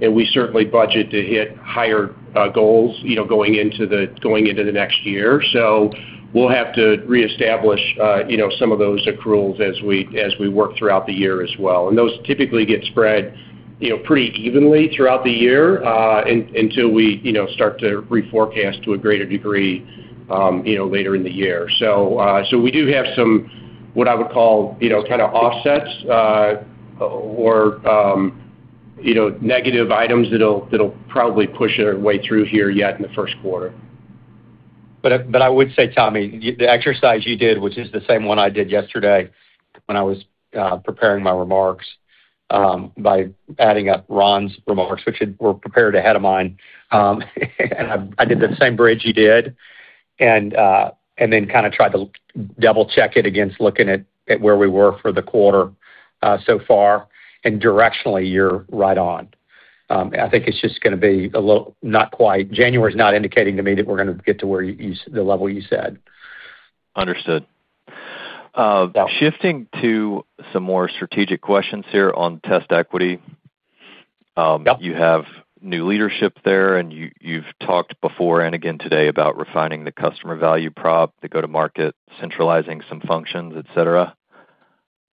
We certainly budget to hit higher goals, you know, going into the next year. We'll have to reestablish, you know, some of those accruals as we work throughout the year as well. Those typically get spread, you know, pretty evenly throughout the year until we, you know, start to reforecast to a greater degree, you know, later in the year. We do have some, what I would call, you know, kinda offsets, or, you know, negative items that'll probably push their way through here yet in the first quarter. I would say, Tommy, the exercise you did, which is the same one I did yesterday when I was preparing my remarks, by adding up Ron's remarks, which had were prepared ahead of mine. I did the same bridge you did, and then kinda tried to double-check it against looking at where we were for the quarter so far. Directionally, you're right on. I think it's just gonna be a little not quite. January is not indicating to me that we're gonna get to where you the level you said. Understood. Shifting to some more strategic questions here on TestEquity. Yeah. You have new leadership there, and you've talked before and again today about refining the customer value prop to go to market, centralizing some functions, et cetera.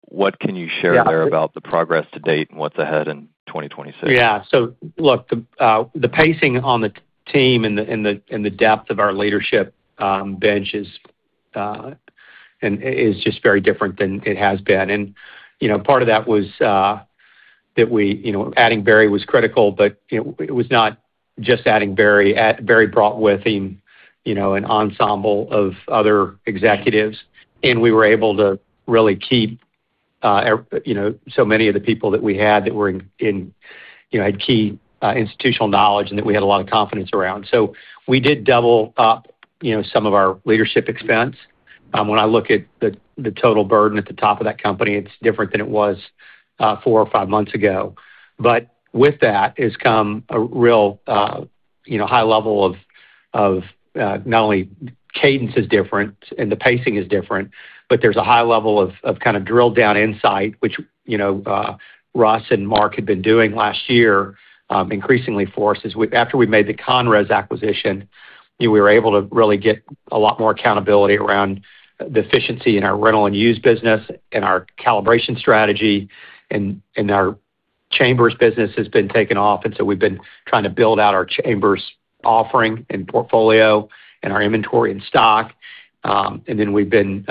What can you share there about the progress to date and what's ahead in 2026? Look, the pacing on the team and the, and the, and the depth of our leadership, bench is, and is just very different than it has been. You know, part of that was, that we, you know, adding Barry was critical, but, you know, it was not just adding Barry. Barry brought with him, you know, an ensemble of other executives, we were able to really keep, you know, so many of the people that we had that were in, you know, had key, institutional knowledge and that we had a lot of confidence around. We did double up, you know, some of our leadership expense. When I look at the total burden at the top of that company, it's different than it was, four or five months ago. With that has come a real, you know, high level of, not only cadence is different and the pacing is different, but there's a high level of kinda drill-down insight, which, you know, Russ and Mark had been doing last year, increasingly for us. After we made the ConRes acquisition, you know, we were able to really get a lot more accountability around the efficiency in our rental and used business and our calibration strategy. Our chambers business has been taken off, and so we've been trying to build out our chambers offering and portfolio and our inventory and stock. Then we've been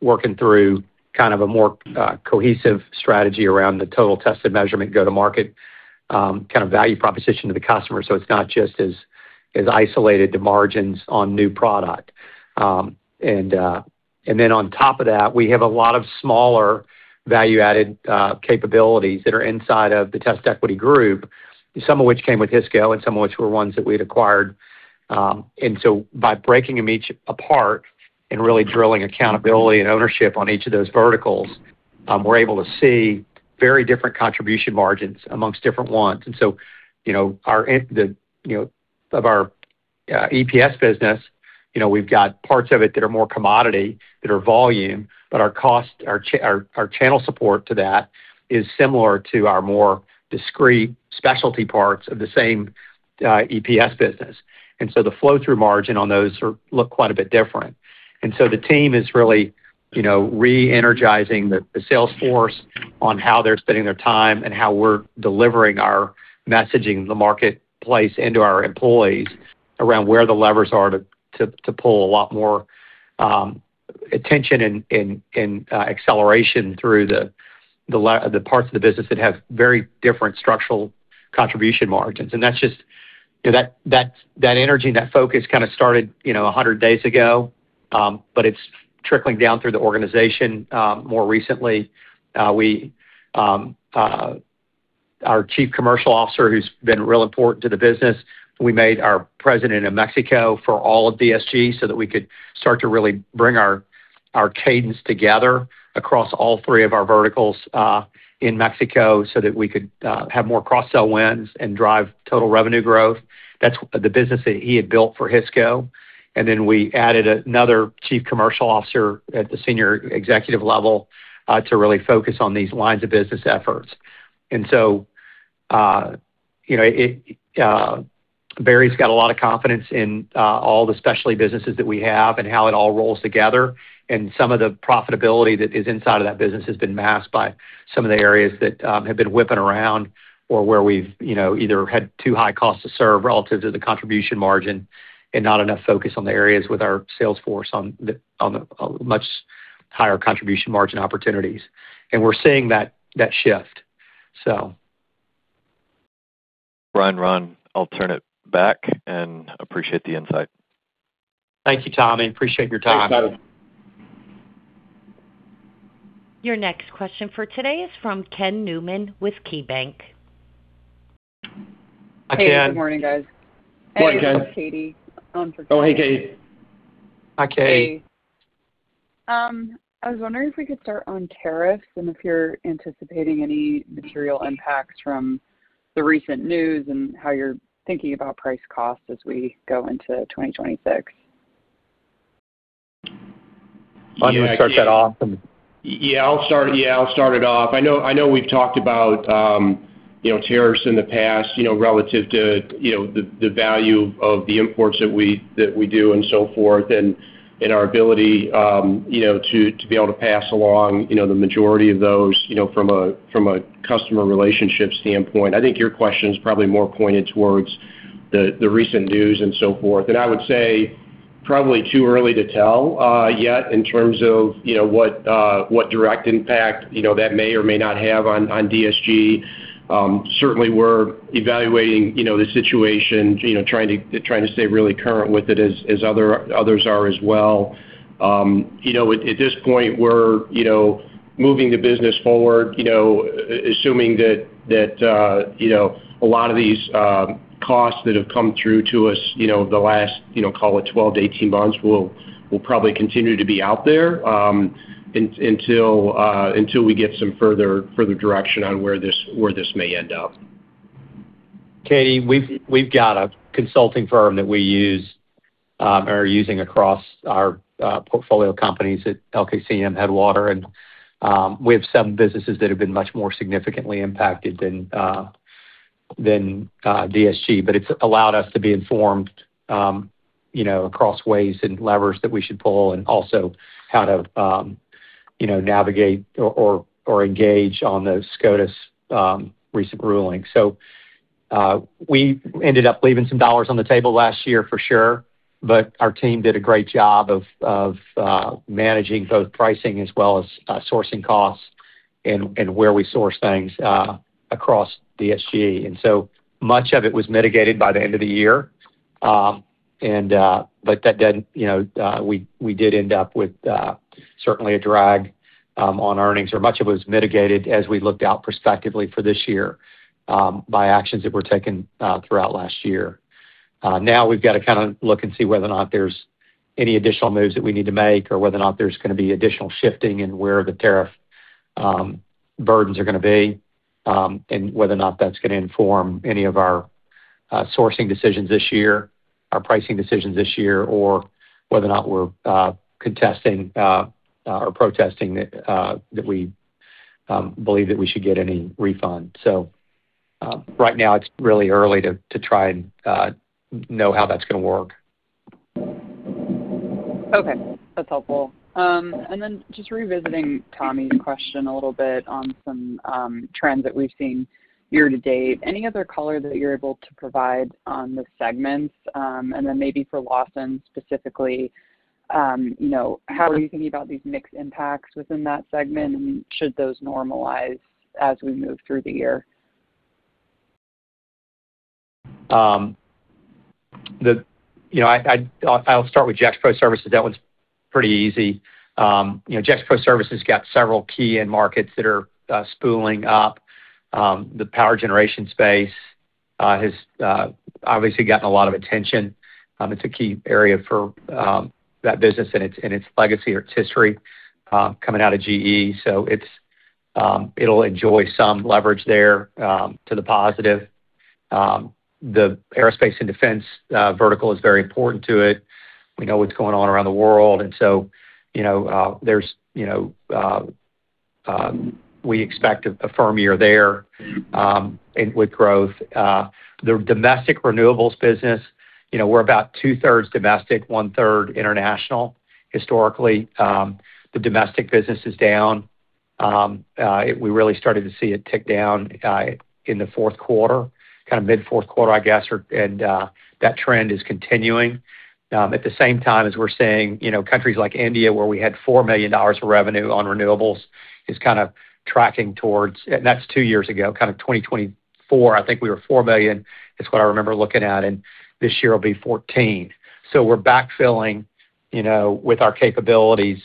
working through kind of a more cohesive strategy around the total tested measurement go-to-market, kinda value proposition to the customer, so it's not just as isolated to margins on new product. Then on top of that, we have a lot of smaller value-added capabilities that are inside of the TestEquity Group, some of which came with Hisco and some of which were ones that we'd acquired. So by breaking them each apart and really drilling accountability and ownership on each of those verticals, we're able to see very different contribution margins amongst different ones. You know, our, you know, of our EPS business, you know, we've got parts of it that are more commodity, that are volume, but our cost, our channel support to that is similar to our more discrete specialty parts of the same EPS business. The flow-through margin on those look quite a bit different. The team is really, you know, re-energizing the sales force on how they're spending their time and how we're delivering our messaging to the marketplace and to our employees around where the levers are to pull a lot more attention and acceleration through the parts of the business that have very different structural contribution margins. That's just... You know, that energy and that focus kinda started, you know, 100 days ago. It's trickling down through the organization, more recently. We, our chief commercial officer, who's been real important to the business, we made our president of Mexico for all of DSG so that we could start to really bring our cadence together across all three of our verticals, in Mexico so that we could have more cross-sell wins and drive total revenue growth. That's the business that he had built for Hisco. Then we added another chief commercial officer at the senior executive level, to really focus on these lines of business efforts. You know, it, Barry's got a lot of confidence in, all the specialty businesses that we have and how it all rolls together, and some of the profitability that is inside of that business has been masked by some of the areas that, have been whipping around or where we've, you know, either had too high cost to serve relative to the contribution margin and not enough focus on the areas with our sales force on much higher contribution margin opportunities. We're seeing that shift, so. Bryan, Ron, I'll turn it back and appreciate the insight. Thank you, Tommy. Appreciate your time. Thanks, bud. Your next question for today is from Ken Newman with KeyBanc. Hi, Ken. Hey, good morning, guys. Good morning, guys. Hey, this is Katie on for Jenny. Oh, hey, Ken. Hi, Ken Hey. I was wondering if we could start on tariffs and if you're anticipating any material impacts from the recent news and how you're thinking about price cost as we go into 2026? Yeah. Why don't you start that off? Yeah, I'll start it off. I know, I know we've talked about, you know, tariffs in the past, you know, relative to, you know, the value of the imports that we, that we do and so forth, and our ability, you know, to be able to pass along, you know, the majority of those, you know, from a, from a customer relationship standpoint. I think your question is probably more pointed towards the recent news and so forth. I would say probably too early to tell yet in terms of, you know, what direct impact, you know, that may or may not have on DSG. Certainly we're evaluating, you know, the situation, you know, trying to, trying to stay really current with it as others are as well. You know, at this point we're, you know, moving the business forward, you know, assuming that, you know, a lot of these costs that have come through to us, you know, the last, you know, call it 12-18 months, will probably continue to be out there, until we get some further direction on where this may end up. Ken we've got a consulting firm that we use, are using across our portfolio companies at LKCM Headwater, and we have some businesses that have been much more significantly impacted than DSG. It's allowed us to be informed, you know, across ways and levers that we should pull and also how to, you know, navigate or engage on those SCOTUS recent rulings. We ended up leaving some dollars on the table last year for sure, but our team did a great job of managing both pricing as well as sourcing costs and where we source things across DSG. So much of it was mitigated by the end of the year. You know, we did end up with certainly a drag on earnings or much of it was mitigated as we looked out perspectively for this year by actions that were taken throughout last year. Now we've got to kinda look and see whether or not there's any additional moves that we need to make or whether or not there's gonna be additional shifting in where the tariff burdens are gonna be, and whether or not that's gonna inform any of our sourcing decisions this year or pricing decisions this year or whether or not we're contesting or protesting that we believe that we should get any refund. Right now it's really early to try and know how that's gonna work. Okay. That's helpful. Just revisiting Tommy's question a little bit on some trends that we've seen year-to-date. Any other color that you're able to provide on the segments, and then maybe for Lawson specifically, you know, how are you thinking about these mixed impacts within that segment, and should those normalize as we move through the year? You know, I'll start with Gexpro Services. That one's pretty easy. You know, Gexpro Services has got several key end markets that are spooling up. The power generation space has obviously gotten a lot of attention. It's a key area for that business and its legacy or its history coming out of GE. It'll enjoy some leverage there to the positive. The aerospace and defense vertical is very important to it. We know what's going on around the world, so, you know, there's, you know, we expect a firm year there and with growth. The domestic renewables business, you know, we're about two-thirds domestic, one-third international historically. The domestic business is down. We really started to see it tick down in the fourth quarter, kind of mid fourth quarter, I guess. That trend is continuing. At the same time, as we're seeing, you know, countries like India, where we had $4 million of revenue on renewables, is kind of tracking towards. That's two years ago, kind of 2024, I think we were $4 million, is what I remember looking at, and this year will be 14. We're backfilling, you know, with our capabilities,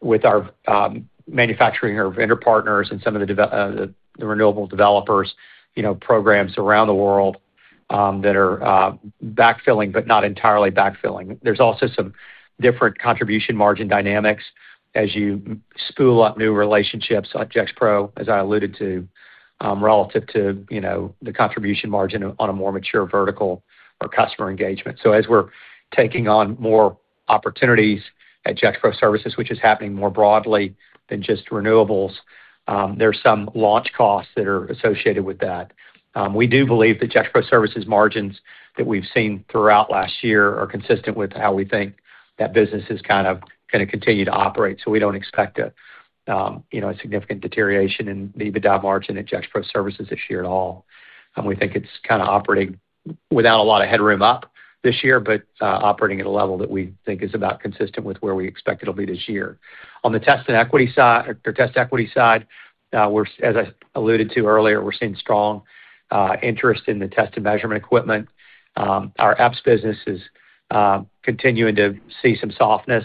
with our manufacturing our vendor partners and some of the renewable developers, you know, programs around the world that are backfilling, but not entirely backfilling. There's also some different contribution margin dynamics as you spool up new relationships like Gexpro, as I alluded to, relative to, you know, the contribution margin on a more mature vertical or customer engagement. As we're taking on more opportunities at Gexpro Services, which is happening more broadly than just renewables, there's some launch costs that are associated with that. We do believe that Gexpro Services margins that we've seen throughout last year are consistent with how we think that business is kind of gonna continue to operate. We don't expect a, you know, a significant deterioration in the EBITDA margin at Gexpro Services this year at all. We think it's kind of operating without a lot of headroom up this year, but operating at a level that we think is about consistent with where we expect it'll be this year. On the TestEquity side or TestEquity side, as I alluded to earlier, we're seeing strong interest in the test and measurement equipment. Our apps business is continuing to see some softness.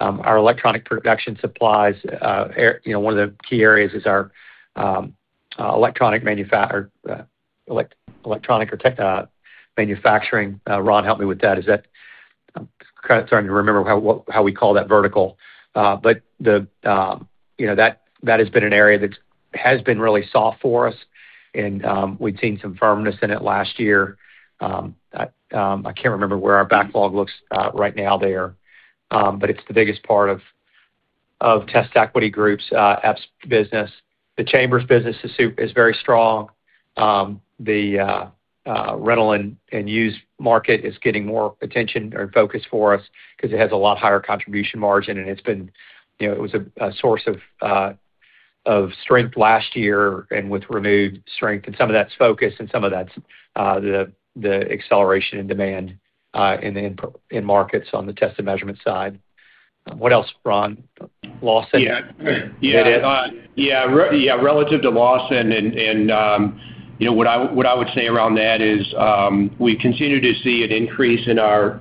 Our electronic production supplies, you know, one of the key areas is our electronic or tech manufacturing. Ron, help me with that. Is that. I'm kind of trying to remember how we call that vertical. The, you know, that has been an area that has been really soft for us and we've seen some firmness in it last year. I can't remember where our backlog looks right now there, but it's the biggest part of TestEquity Group's apps business. The Chambers business is very strong. The rental and used market is getting more attention or focus for us 'cause it has a lot higher contribution margin. It's been, you know, it was a source of strength last year and with renewed strength. Some of that's focus and some of that's the acceleration in demand in the input in markets on the test and measurement side. What else, Ron? Lawson? Yeah. That it? Yeah. relative to Lawson and, you know, what I would say around that is, we continue to see an increase in our,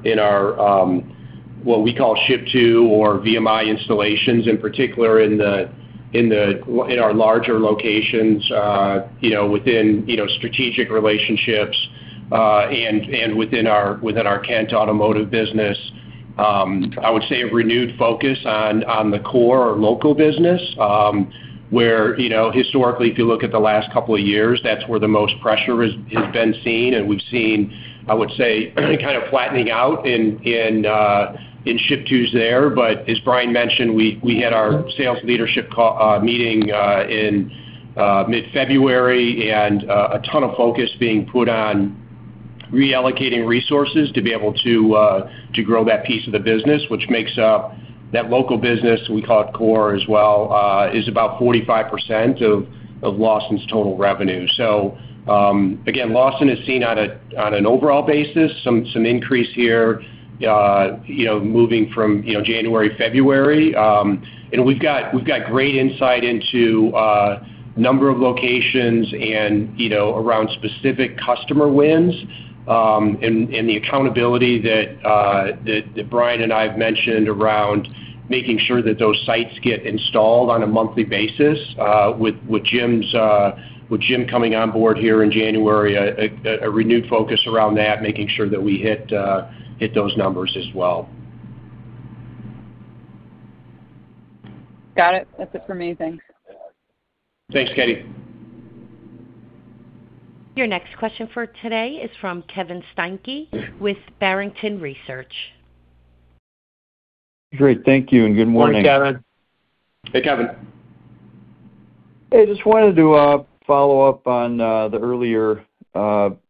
what we call ship-to or VMI installations, in particular in the, in our larger locations, you know, within, you know, strategic relationships, and within our Kent Automotive business. I would say a renewed focus on the core or local business, where, you know, historically, if you look at the last couple of years, that's where the most pressure is, has been seen. We've seen, I would say, kind of flattening out in ship-to's there. As Bryan mentioned, we had our sales leadership meeting in mid-February and a ton of focus being put on reallocating resources to be able to grow that piece of the business, which makes up that local business, we call it core as well, is about 45% of Lawson's total revenue. Again, Lawson is seen on an overall basis, some increase here, you know, moving from, you know, January, February. We've got great insight into number of locations and, you know, around specific customer wins, and the accountability that Bryan and I have mentioned around making sure that those sites get installed on a monthly basis, with Jim's, with Jim coming on board here in January, a renewed focus around that, making sure that we hit those numbers as well. Got it. That's it for me. Thanks. Thanks, Ken. Your next question for today is from Kevin Steinke with Barrington Research. Great. Thank you, and good morning. Morning, Kevin. Hey, Kevin. Hey, just wanted to follow up on the earlier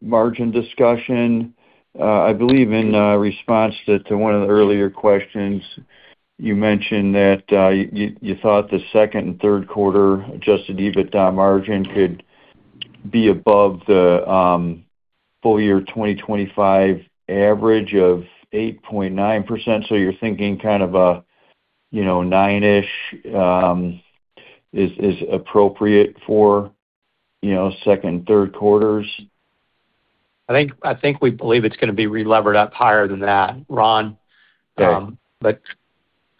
margin discussion. I believe in response to one of the earlier questions, you mentioned that you thought the second and third quarter Adjusted EBITDA margin could be above the full-year 2025 average of 8.9%. You're thinking kind of a, you know, nine-ish, is appropriate for, you know, second and third quarters? I think we believe it's gonna be relevered up higher than that, Ron. Okay.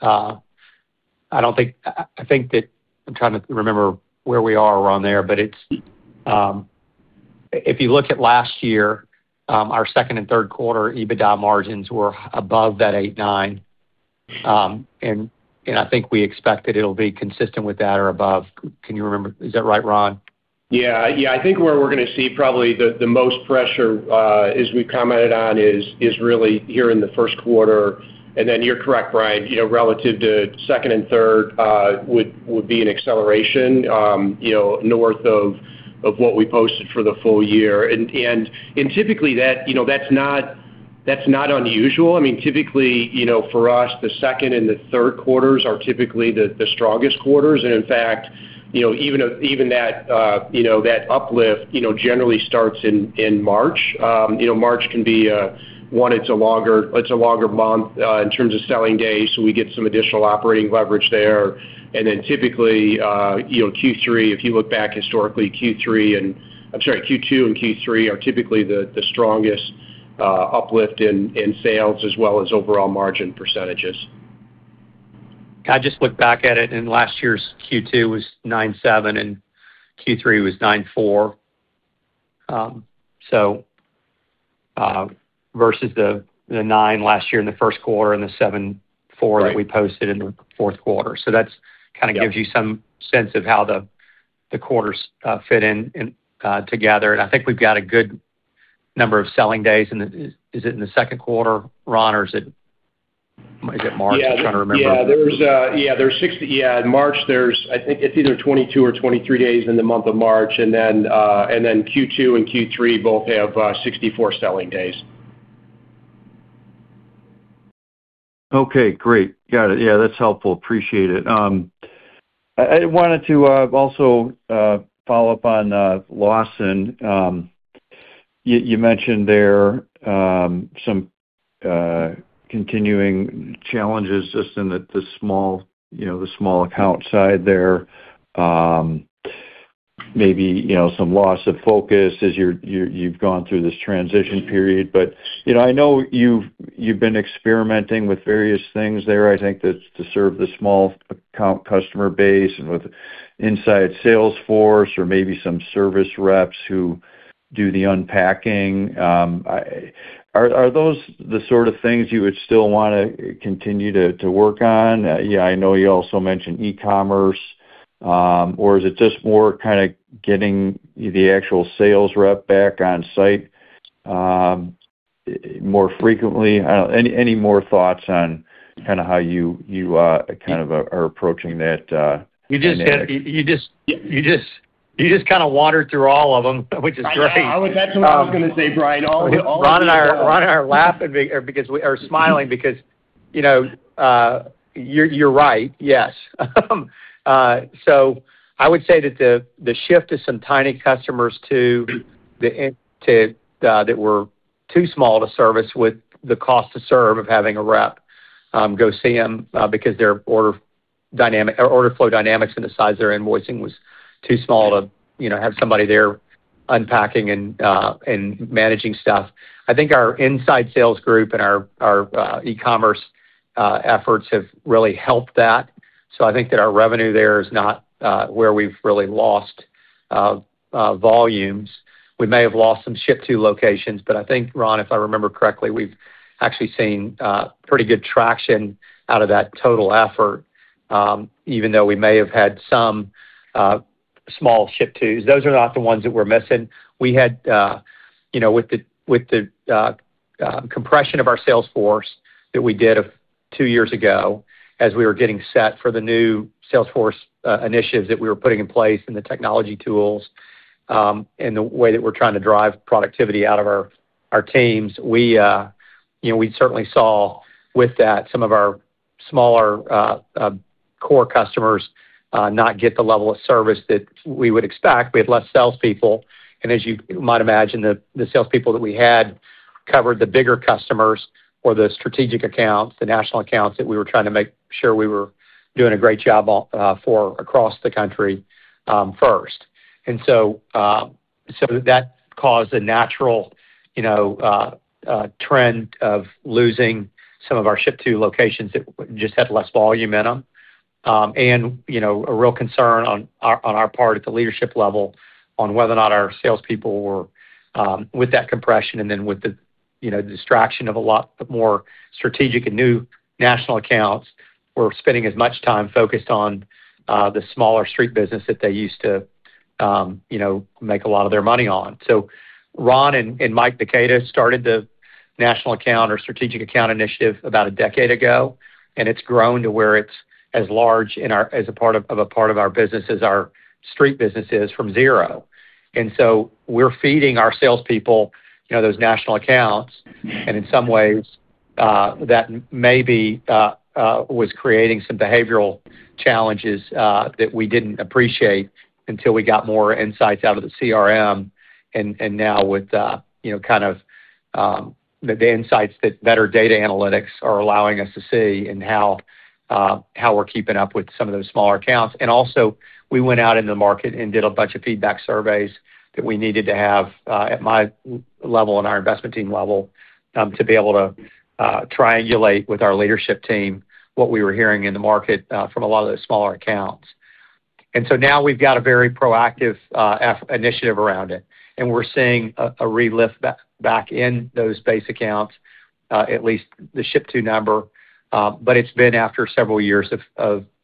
I think that I'm trying to remember where we are around there, but if you look at last year, our second and third quarter EBITDA margins were above that 8.9%. I think we expect that it'll be consistent with that or above. Can you remember? Is that right, Ron? Yeah. Yeah. I think where we're gonna see probably the most pressure, as we've commented on is really here in the first quarter. Then you're correct, Bryan, you know, relative to second and third, would be an acceleration, you know, north of what we posted for the full-year. Typically that, you know, that's not unusual. I mean, typically, you know, for us, the second and the third quarters are typically the strongest quarters. In fact, you know, even that, you know, that uplift, you know, generally starts in March. You know, March can be one, it's a longer month, in terms of selling days, so we get some additional operating leverage there. Typically, you know, Q3, if you look back historically, Q3, Q2 and Q3 are typically the strongest uplift in sales as well as overall margin percentages. I just looked back at it, and last year's Q2 was 9.7%, and Q3 was 9.4%. Versus the 9% last year in the first quarter and the 7.4%. Right that we posted in the fourth quarter. That's kinda gives you some sense of how the quarters fit in together. I think we've got a good number of selling days in the... Is it in the second quarter, Ron, or is it March? I'm trying to remember. In March, there's, I think it's either 22 or 23 days in the month of March. Q2 and Q3 both have 64 selling days. Okay, great. Got it. That's helpful. Appreciate it. I wanted to also follow up on Lawson. You mentioned there some continuing challenges just in the small, you know, the small account side there, maybe, you know, some loss of focus as you've gone through this transition period. You know, I know you've been experimenting with various things there. I think that's to serve the small account customer base and with inside sales force or maybe some service reps who do the unpacking. Are those the sort of things you would still wanna continue to work on? I know you also mentioned e-commerce. Or is it just more kinda getting the actual sales rep back on site more frequently? I don't... Any more thoughts on kind of how you, kind of are approaching that dynamic? You just kinda wander through all of them, which is great. That's what I was gonna say, Bryan. All of the above. Ron and I are laughing or smiling because, you know, you're right. Yes. I would say that the shift to some tiny customers to that were too small to service with the cost to serve of having a rep go see them because their order flow dynamics and the size they're invoicing was too small to, you know, have somebody there unpacking and managing stuff. I think our inside sales group and our e-commerce efforts have really helped that. I think that our revenue there is not where we've really lost volumes. We may have lost some ship-to locations, but I think, Ron, if I remember correctly, we've actually seen pretty good traction out of that total effort, even though we may have had some small ship-tos. Those are not the ones that we're missing. We had, you know, with the, with the compression of our sales force that we did two years ago as we were getting set for the new sales force initiatives that we were putting in place and the technology tools, and the way that we're trying to drive productivity out of our teams. We, you know, we certainly saw with that some of our smaller core customers not get the level of service that we would expect. We had less salespeople, and as you might imagine, the salespeople that we had covered the bigger customers or the strategic accounts, the national accounts that we were trying to make sure we were doing a great job for across the country, first. So that caused a natural, you know, trend of losing some of our ship-to locations that just had less volume in them. And, you know, a real concern on our part at the leadership level on whether or not our salespeople were with that compression and then with the, you know, distraction of a lot more strategic and new national accounts, were spending as much time focused on the smaller street business that they used to, you know, make a lot of their money on. Ron and Mike DeCata started the national account or strategic account initiative about a decade ago, and it's grown to where it's as large as a part of our business as our street business is from zero. We're feeding our salespeople, you know, those national accounts. In some ways, that maybe was creating some behavioral challenges that we didn't appreciate until we got more insights out of the CRM. Now with, you know, kind of, the insights that better data analytics are allowing us to see and how we're keeping up with some of those smaller accounts. We went out in the market and did a bunch of feedback surveys that we needed to have at my level and our investment team level to be able to triangulate with our leadership team what we were hearing in the market from a lot of those smaller accounts. Now we've got a very proactive initiative around it, and we're seeing a re-lift back in those base accounts, at least the ship-to number. But it's been after several years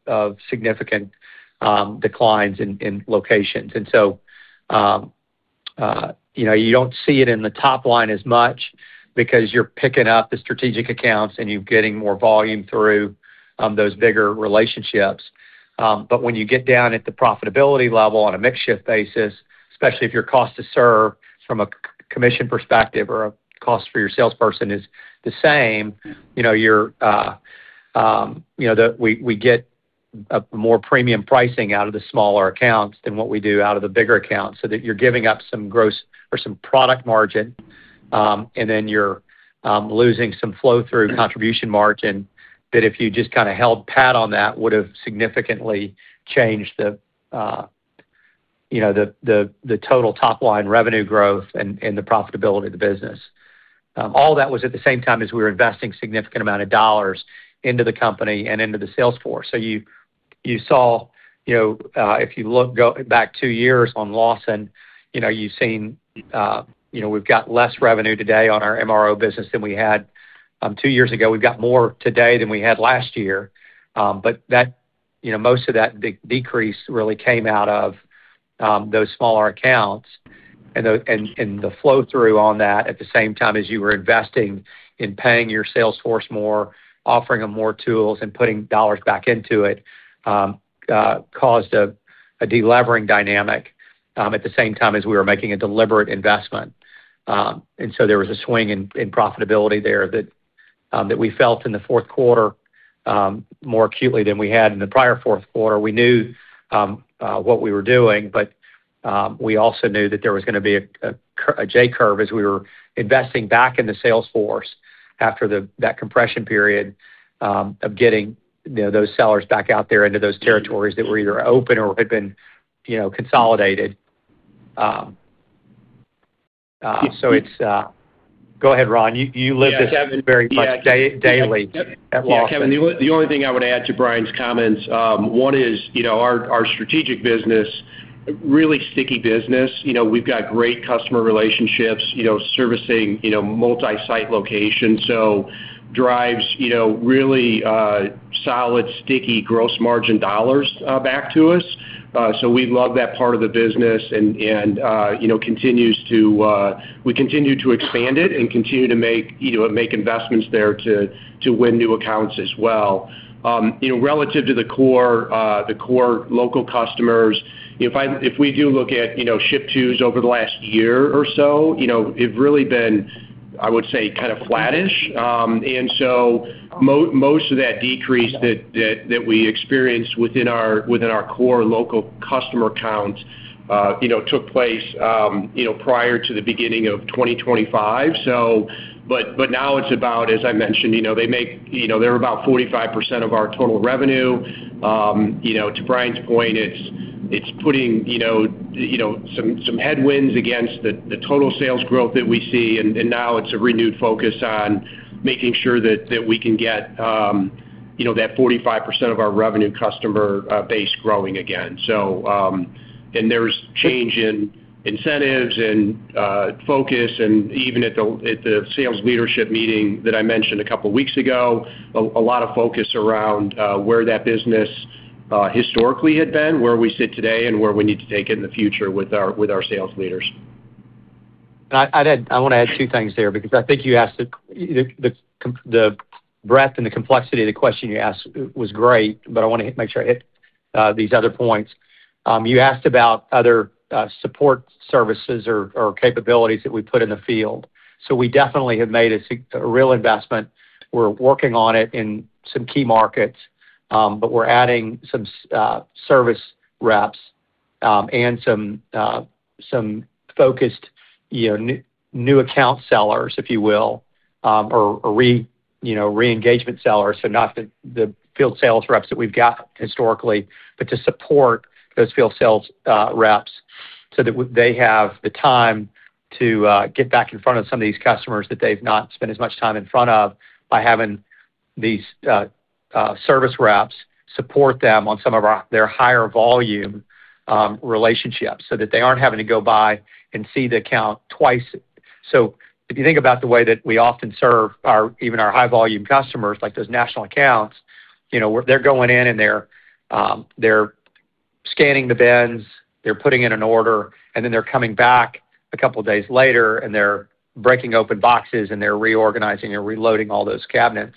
of significant declines in locations. You know, you don't see it in the top line as much because you're picking up the strategic accounts and you're getting more volume through those bigger relationships. When you get down at the profitability level on a mix shift basis, especially if your cost to serve from a commission perspective or a cost for your salesperson is the same, you know, we get a more premium pricing out of the smaller accounts than what we do out of the bigger accounts, so that you're giving up some gross or some product margin, and then you're losing some flow-through contribution margin that if you just kind of held pat on that would have significantly changed the, you know, the total top-line revenue growth and the profitability of the business. All that was at the same time as we were investing significant amount of dollars into the company and into the sales force. You saw, you know, if you go back two years on Lawson, you know, you've seen, you know, we've got less revenue today on our MRO business than we had two years ago. We've got more today than we had last year. That, you know, most of that decrease really came out of those smaller accounts and the flow-through on that at the same time as you were investing in paying your sales force more, offering them more tools, and putting dollars back into it, caused a de-levering dynamic at the same time as we were making a deliberate investment. There was a swing in profitability there that we felt in the fourth quarter more acutely than we had in the prior fourth quarter. We knew what we were doing. We also knew that there was gonna be a J-curve as we were investing back in the sales force after that compression period of getting, you know, those sellers back out there into those territories that were either open or had been, you know, consolidated. Go ahead, Ron. You, you live this very much daily at Lawson. Yeah. Kevin, the only thing I would add to Bryan's comments, one is, you know, our strategic business, really sticky business. You know, we've got great customer relationships, you know, servicing, you know, multi-site locations. Drives, you know, really, solid, sticky gross margin dollars, back to us. We love that part of the business and, you know, continues to, we continue to expand it and continue to make, you know, make investments there to win new accounts as well. You know, relative to the core, the core local customers, if we do look at, you know, ship-to's over the last year or so, you know, they've really been, I would say, kind of flattish. Most of that decrease that we experienced within our core local customer counts, you know, took place, you know, prior to the beginning of 2025. Now it's about, as I mentioned, you know, they make, you know, they're about 45% of our total revenue. You know, to Bryan's point, it's putting, you know, some headwinds against the total sales growth that we see, and now it's a renewed focus on making sure that we can get, you know, that 45% of our revenue customer, base growing again. There's change in incentives and focus and even at the sales leadership meeting that I mentioned a couple of weeks ago, a lot of focus around where that business historically had been, where we sit today, and where we need to take it in the future with our sales leaders. I'd add I wanna add two things there because I think you asked the breadth and the complexity of the question you asked was great, but I wanna make sure I hit these other points. You asked about other support services or capabilities that we put in the field. We definitely have made a real investment. We're working on it in some key markets, but we're adding some service reps and some focused, you know, new account sellers, if you will, or re-engagement sellers. Not the field sales reps that we've got historically, but to support those field sales reps so that they have the time to get back in front of some of these customers that they've not spent as much time in front of by having these service reps support them on some of their higher volume relationships so that they aren't having to go by and see the account twice. If you think about the way that we often serve our, even our high volume customers, like those national accounts, you know, where they're going in and they're scanning the bins, they're putting in an order, and then they're coming back a couple of days later, and they're breaking open boxes, and they're reorganizing and reloading all those cabinets.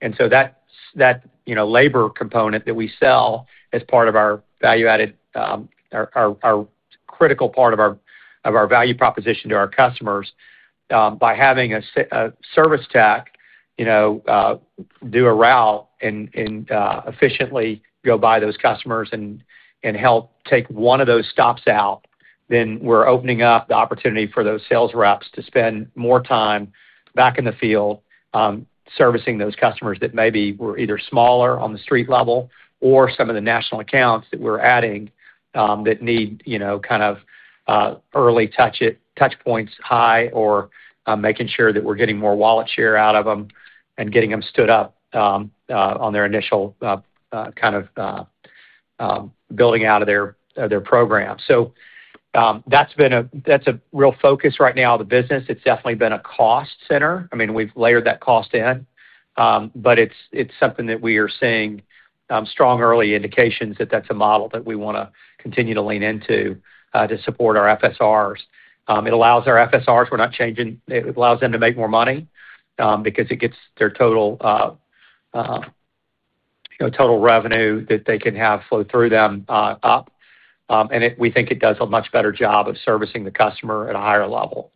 That's that, you know, labor component that we sell as part of our value-added, our critical part of our value proposition to our customers, by having a service tech, you know, do a route and efficiently go by those customers and help take one of those stops out, then we're opening up the opportunity for those sales reps to spend more time back in the field, servicing those customers that maybe were either smaller on the street level or some of the national accounts that we're adding, that need, you know, kind of, early touch points high or, making sure that we're getting more wallet share out of them and getting them stood up on their initial, kind of, building out of their program. That's a real focus right now of the business. It's definitely been a cost center. I mean, we've layered that cost in, but it's something that we are seeing strong early indications that that's a model that we wanna continue to lean into to support our FSRs. It allows our FSRs, it allows them to make more money, because it gets their total, You know, total revenue that they can have flow through them up. We think it does a much better job of servicing the customer at a higher level.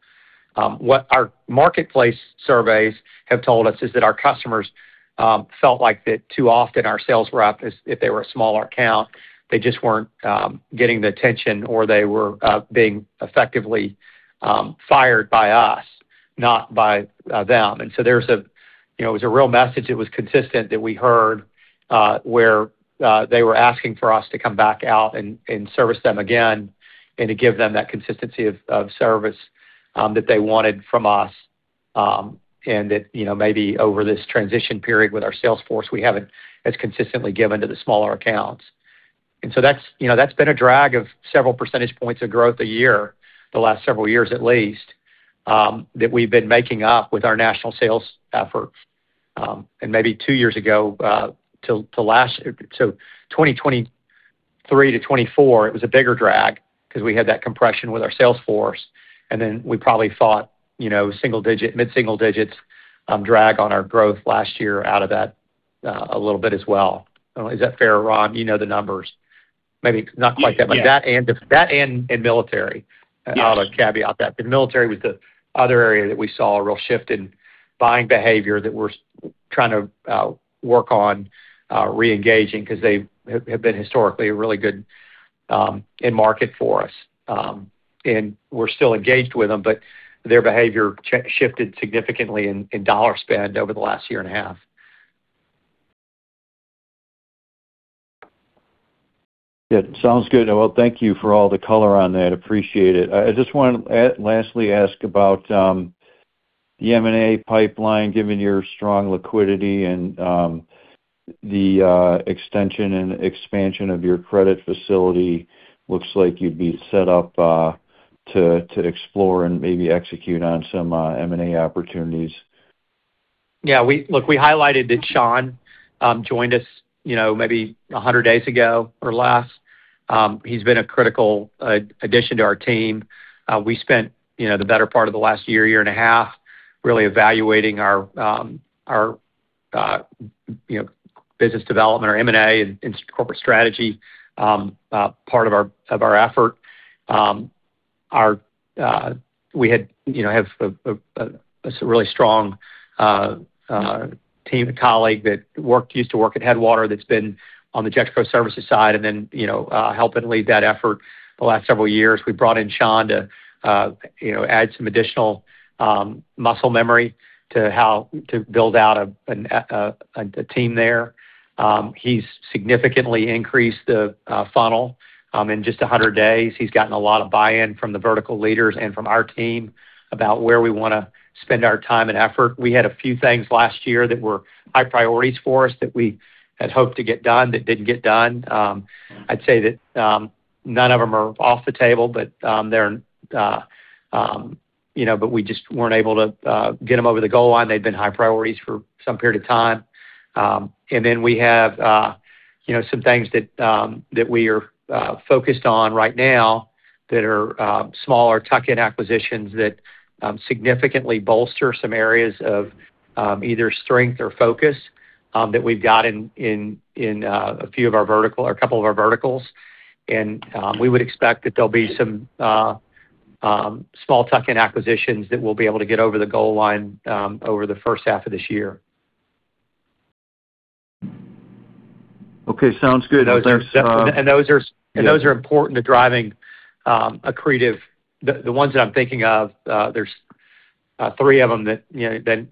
What our marketplace surveys have told us is that our customers felt like that too often our sales rep, if they were a smaller account, they just weren't getting the attention or they were being effectively fired by us, not by them. There's a, you know, it was a real message, it was consistent, that we heard, where they were asking for us to come back out and service them again and to give them that consistency of service that they wanted from us. That, you know, maybe over this transition period with our sales force, we haven't as consistently given to the smaller accounts. That's, you know, that's been a drag of several percentage points of growth a year the last several years at least, that we've been making up with our national sales efforts. Maybe two years ago, 2023 to 2024, it was a bigger drag 'cause we had that compression with our sales force, then we probably saw, you know, single-digit, mid-single digits, drag on our growth last year out of that, a little bit as well. Is that fair, Rob? You know the numbers. Maybe not quite that. Yeah. That and That and military. Yes. I ought to caveat that. The military was the other area that we saw a real shift in buying behavior that we're trying to work on re-engaging 'cause they have been historically a really good end market for us. We're still engaged with them, but their behavior shifted significantly in dollar spend over the last year and a half. Yeah. Sounds good. Well, thank you for all the color on that. Appreciate it. I just wanna lastly ask about the M&A pipeline, given your strong liquidity and the extension and expansion of your credit facility. Looks like you'd be set up to explore and maybe execute on some M&A opportunities. Yeah, we... Look, we highlighted that Sean joined us, you know, maybe 100 days ago or less. He's been a critical addition to our team. We spent, you know, the better part of the last year and a half, really evaluating our, you know, business development or M&A and corporate strategy part of our effort. Our, we had, you know, have a really strong team and colleague that used to work at Headwater that's been on the Gexpro Services side and then, you know, helping lead that effort the last several years. We brought in Sean to, you know, add some additional muscle memory to how to build out a team there. He's significantly increased the funnel. In just 100 days, he's gotten a lot of buy-in from the vertical leaders and from our team about where we wanna spend our time and effort. We had a few things last year that were high priorities for us that we had hoped to get done that didn't get done. I'd say that none of them are off the table, but they're, you know, but we just weren't able to get them over the goal line. They've been high priorities for some period of time. We have, you know, some things that we are focused on right now that are smaller tuck-in acquisitions that significantly bolster some areas of either strength or focus that we've got in a few of our vertical or a couple of our verticals. We would expect that there'll be some small tuck-in acquisitions that we'll be able to get over the goal line over the first half of this year. Okay. Sounds good. Those are important to driving accretive. The ones that I'm thinking of, there's three of them that, you know,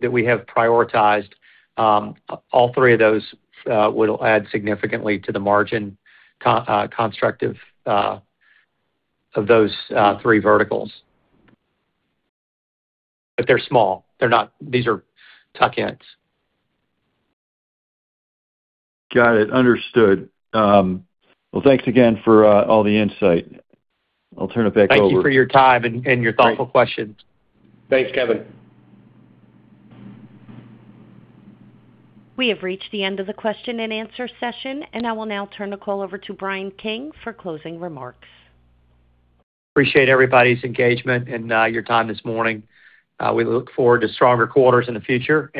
that we have prioritized. All three of those would add significantly to the margin constructive of those three verticals. They're small. They're not. These are tuck-ins. Got it. Understood. Thanks again for all the insight. I'll turn it back over. Thank you for your time and your thoughtful questions. Thanks, Kevin. We have reached the end of the question and answer session, and I will now turn the call over to Bryan King for closing remarks. Appreciate everybody's engagement and your time this morning. We look forward to stronger quarters in the future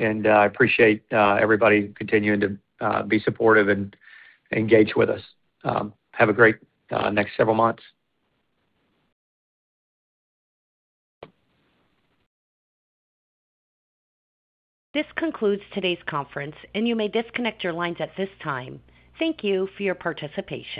and I appreciate everybody continuing to be supportive and engage with us. Have a great next several months. This concludes today's conference, and you may disconnect your lines at this time. Thank you for your participation.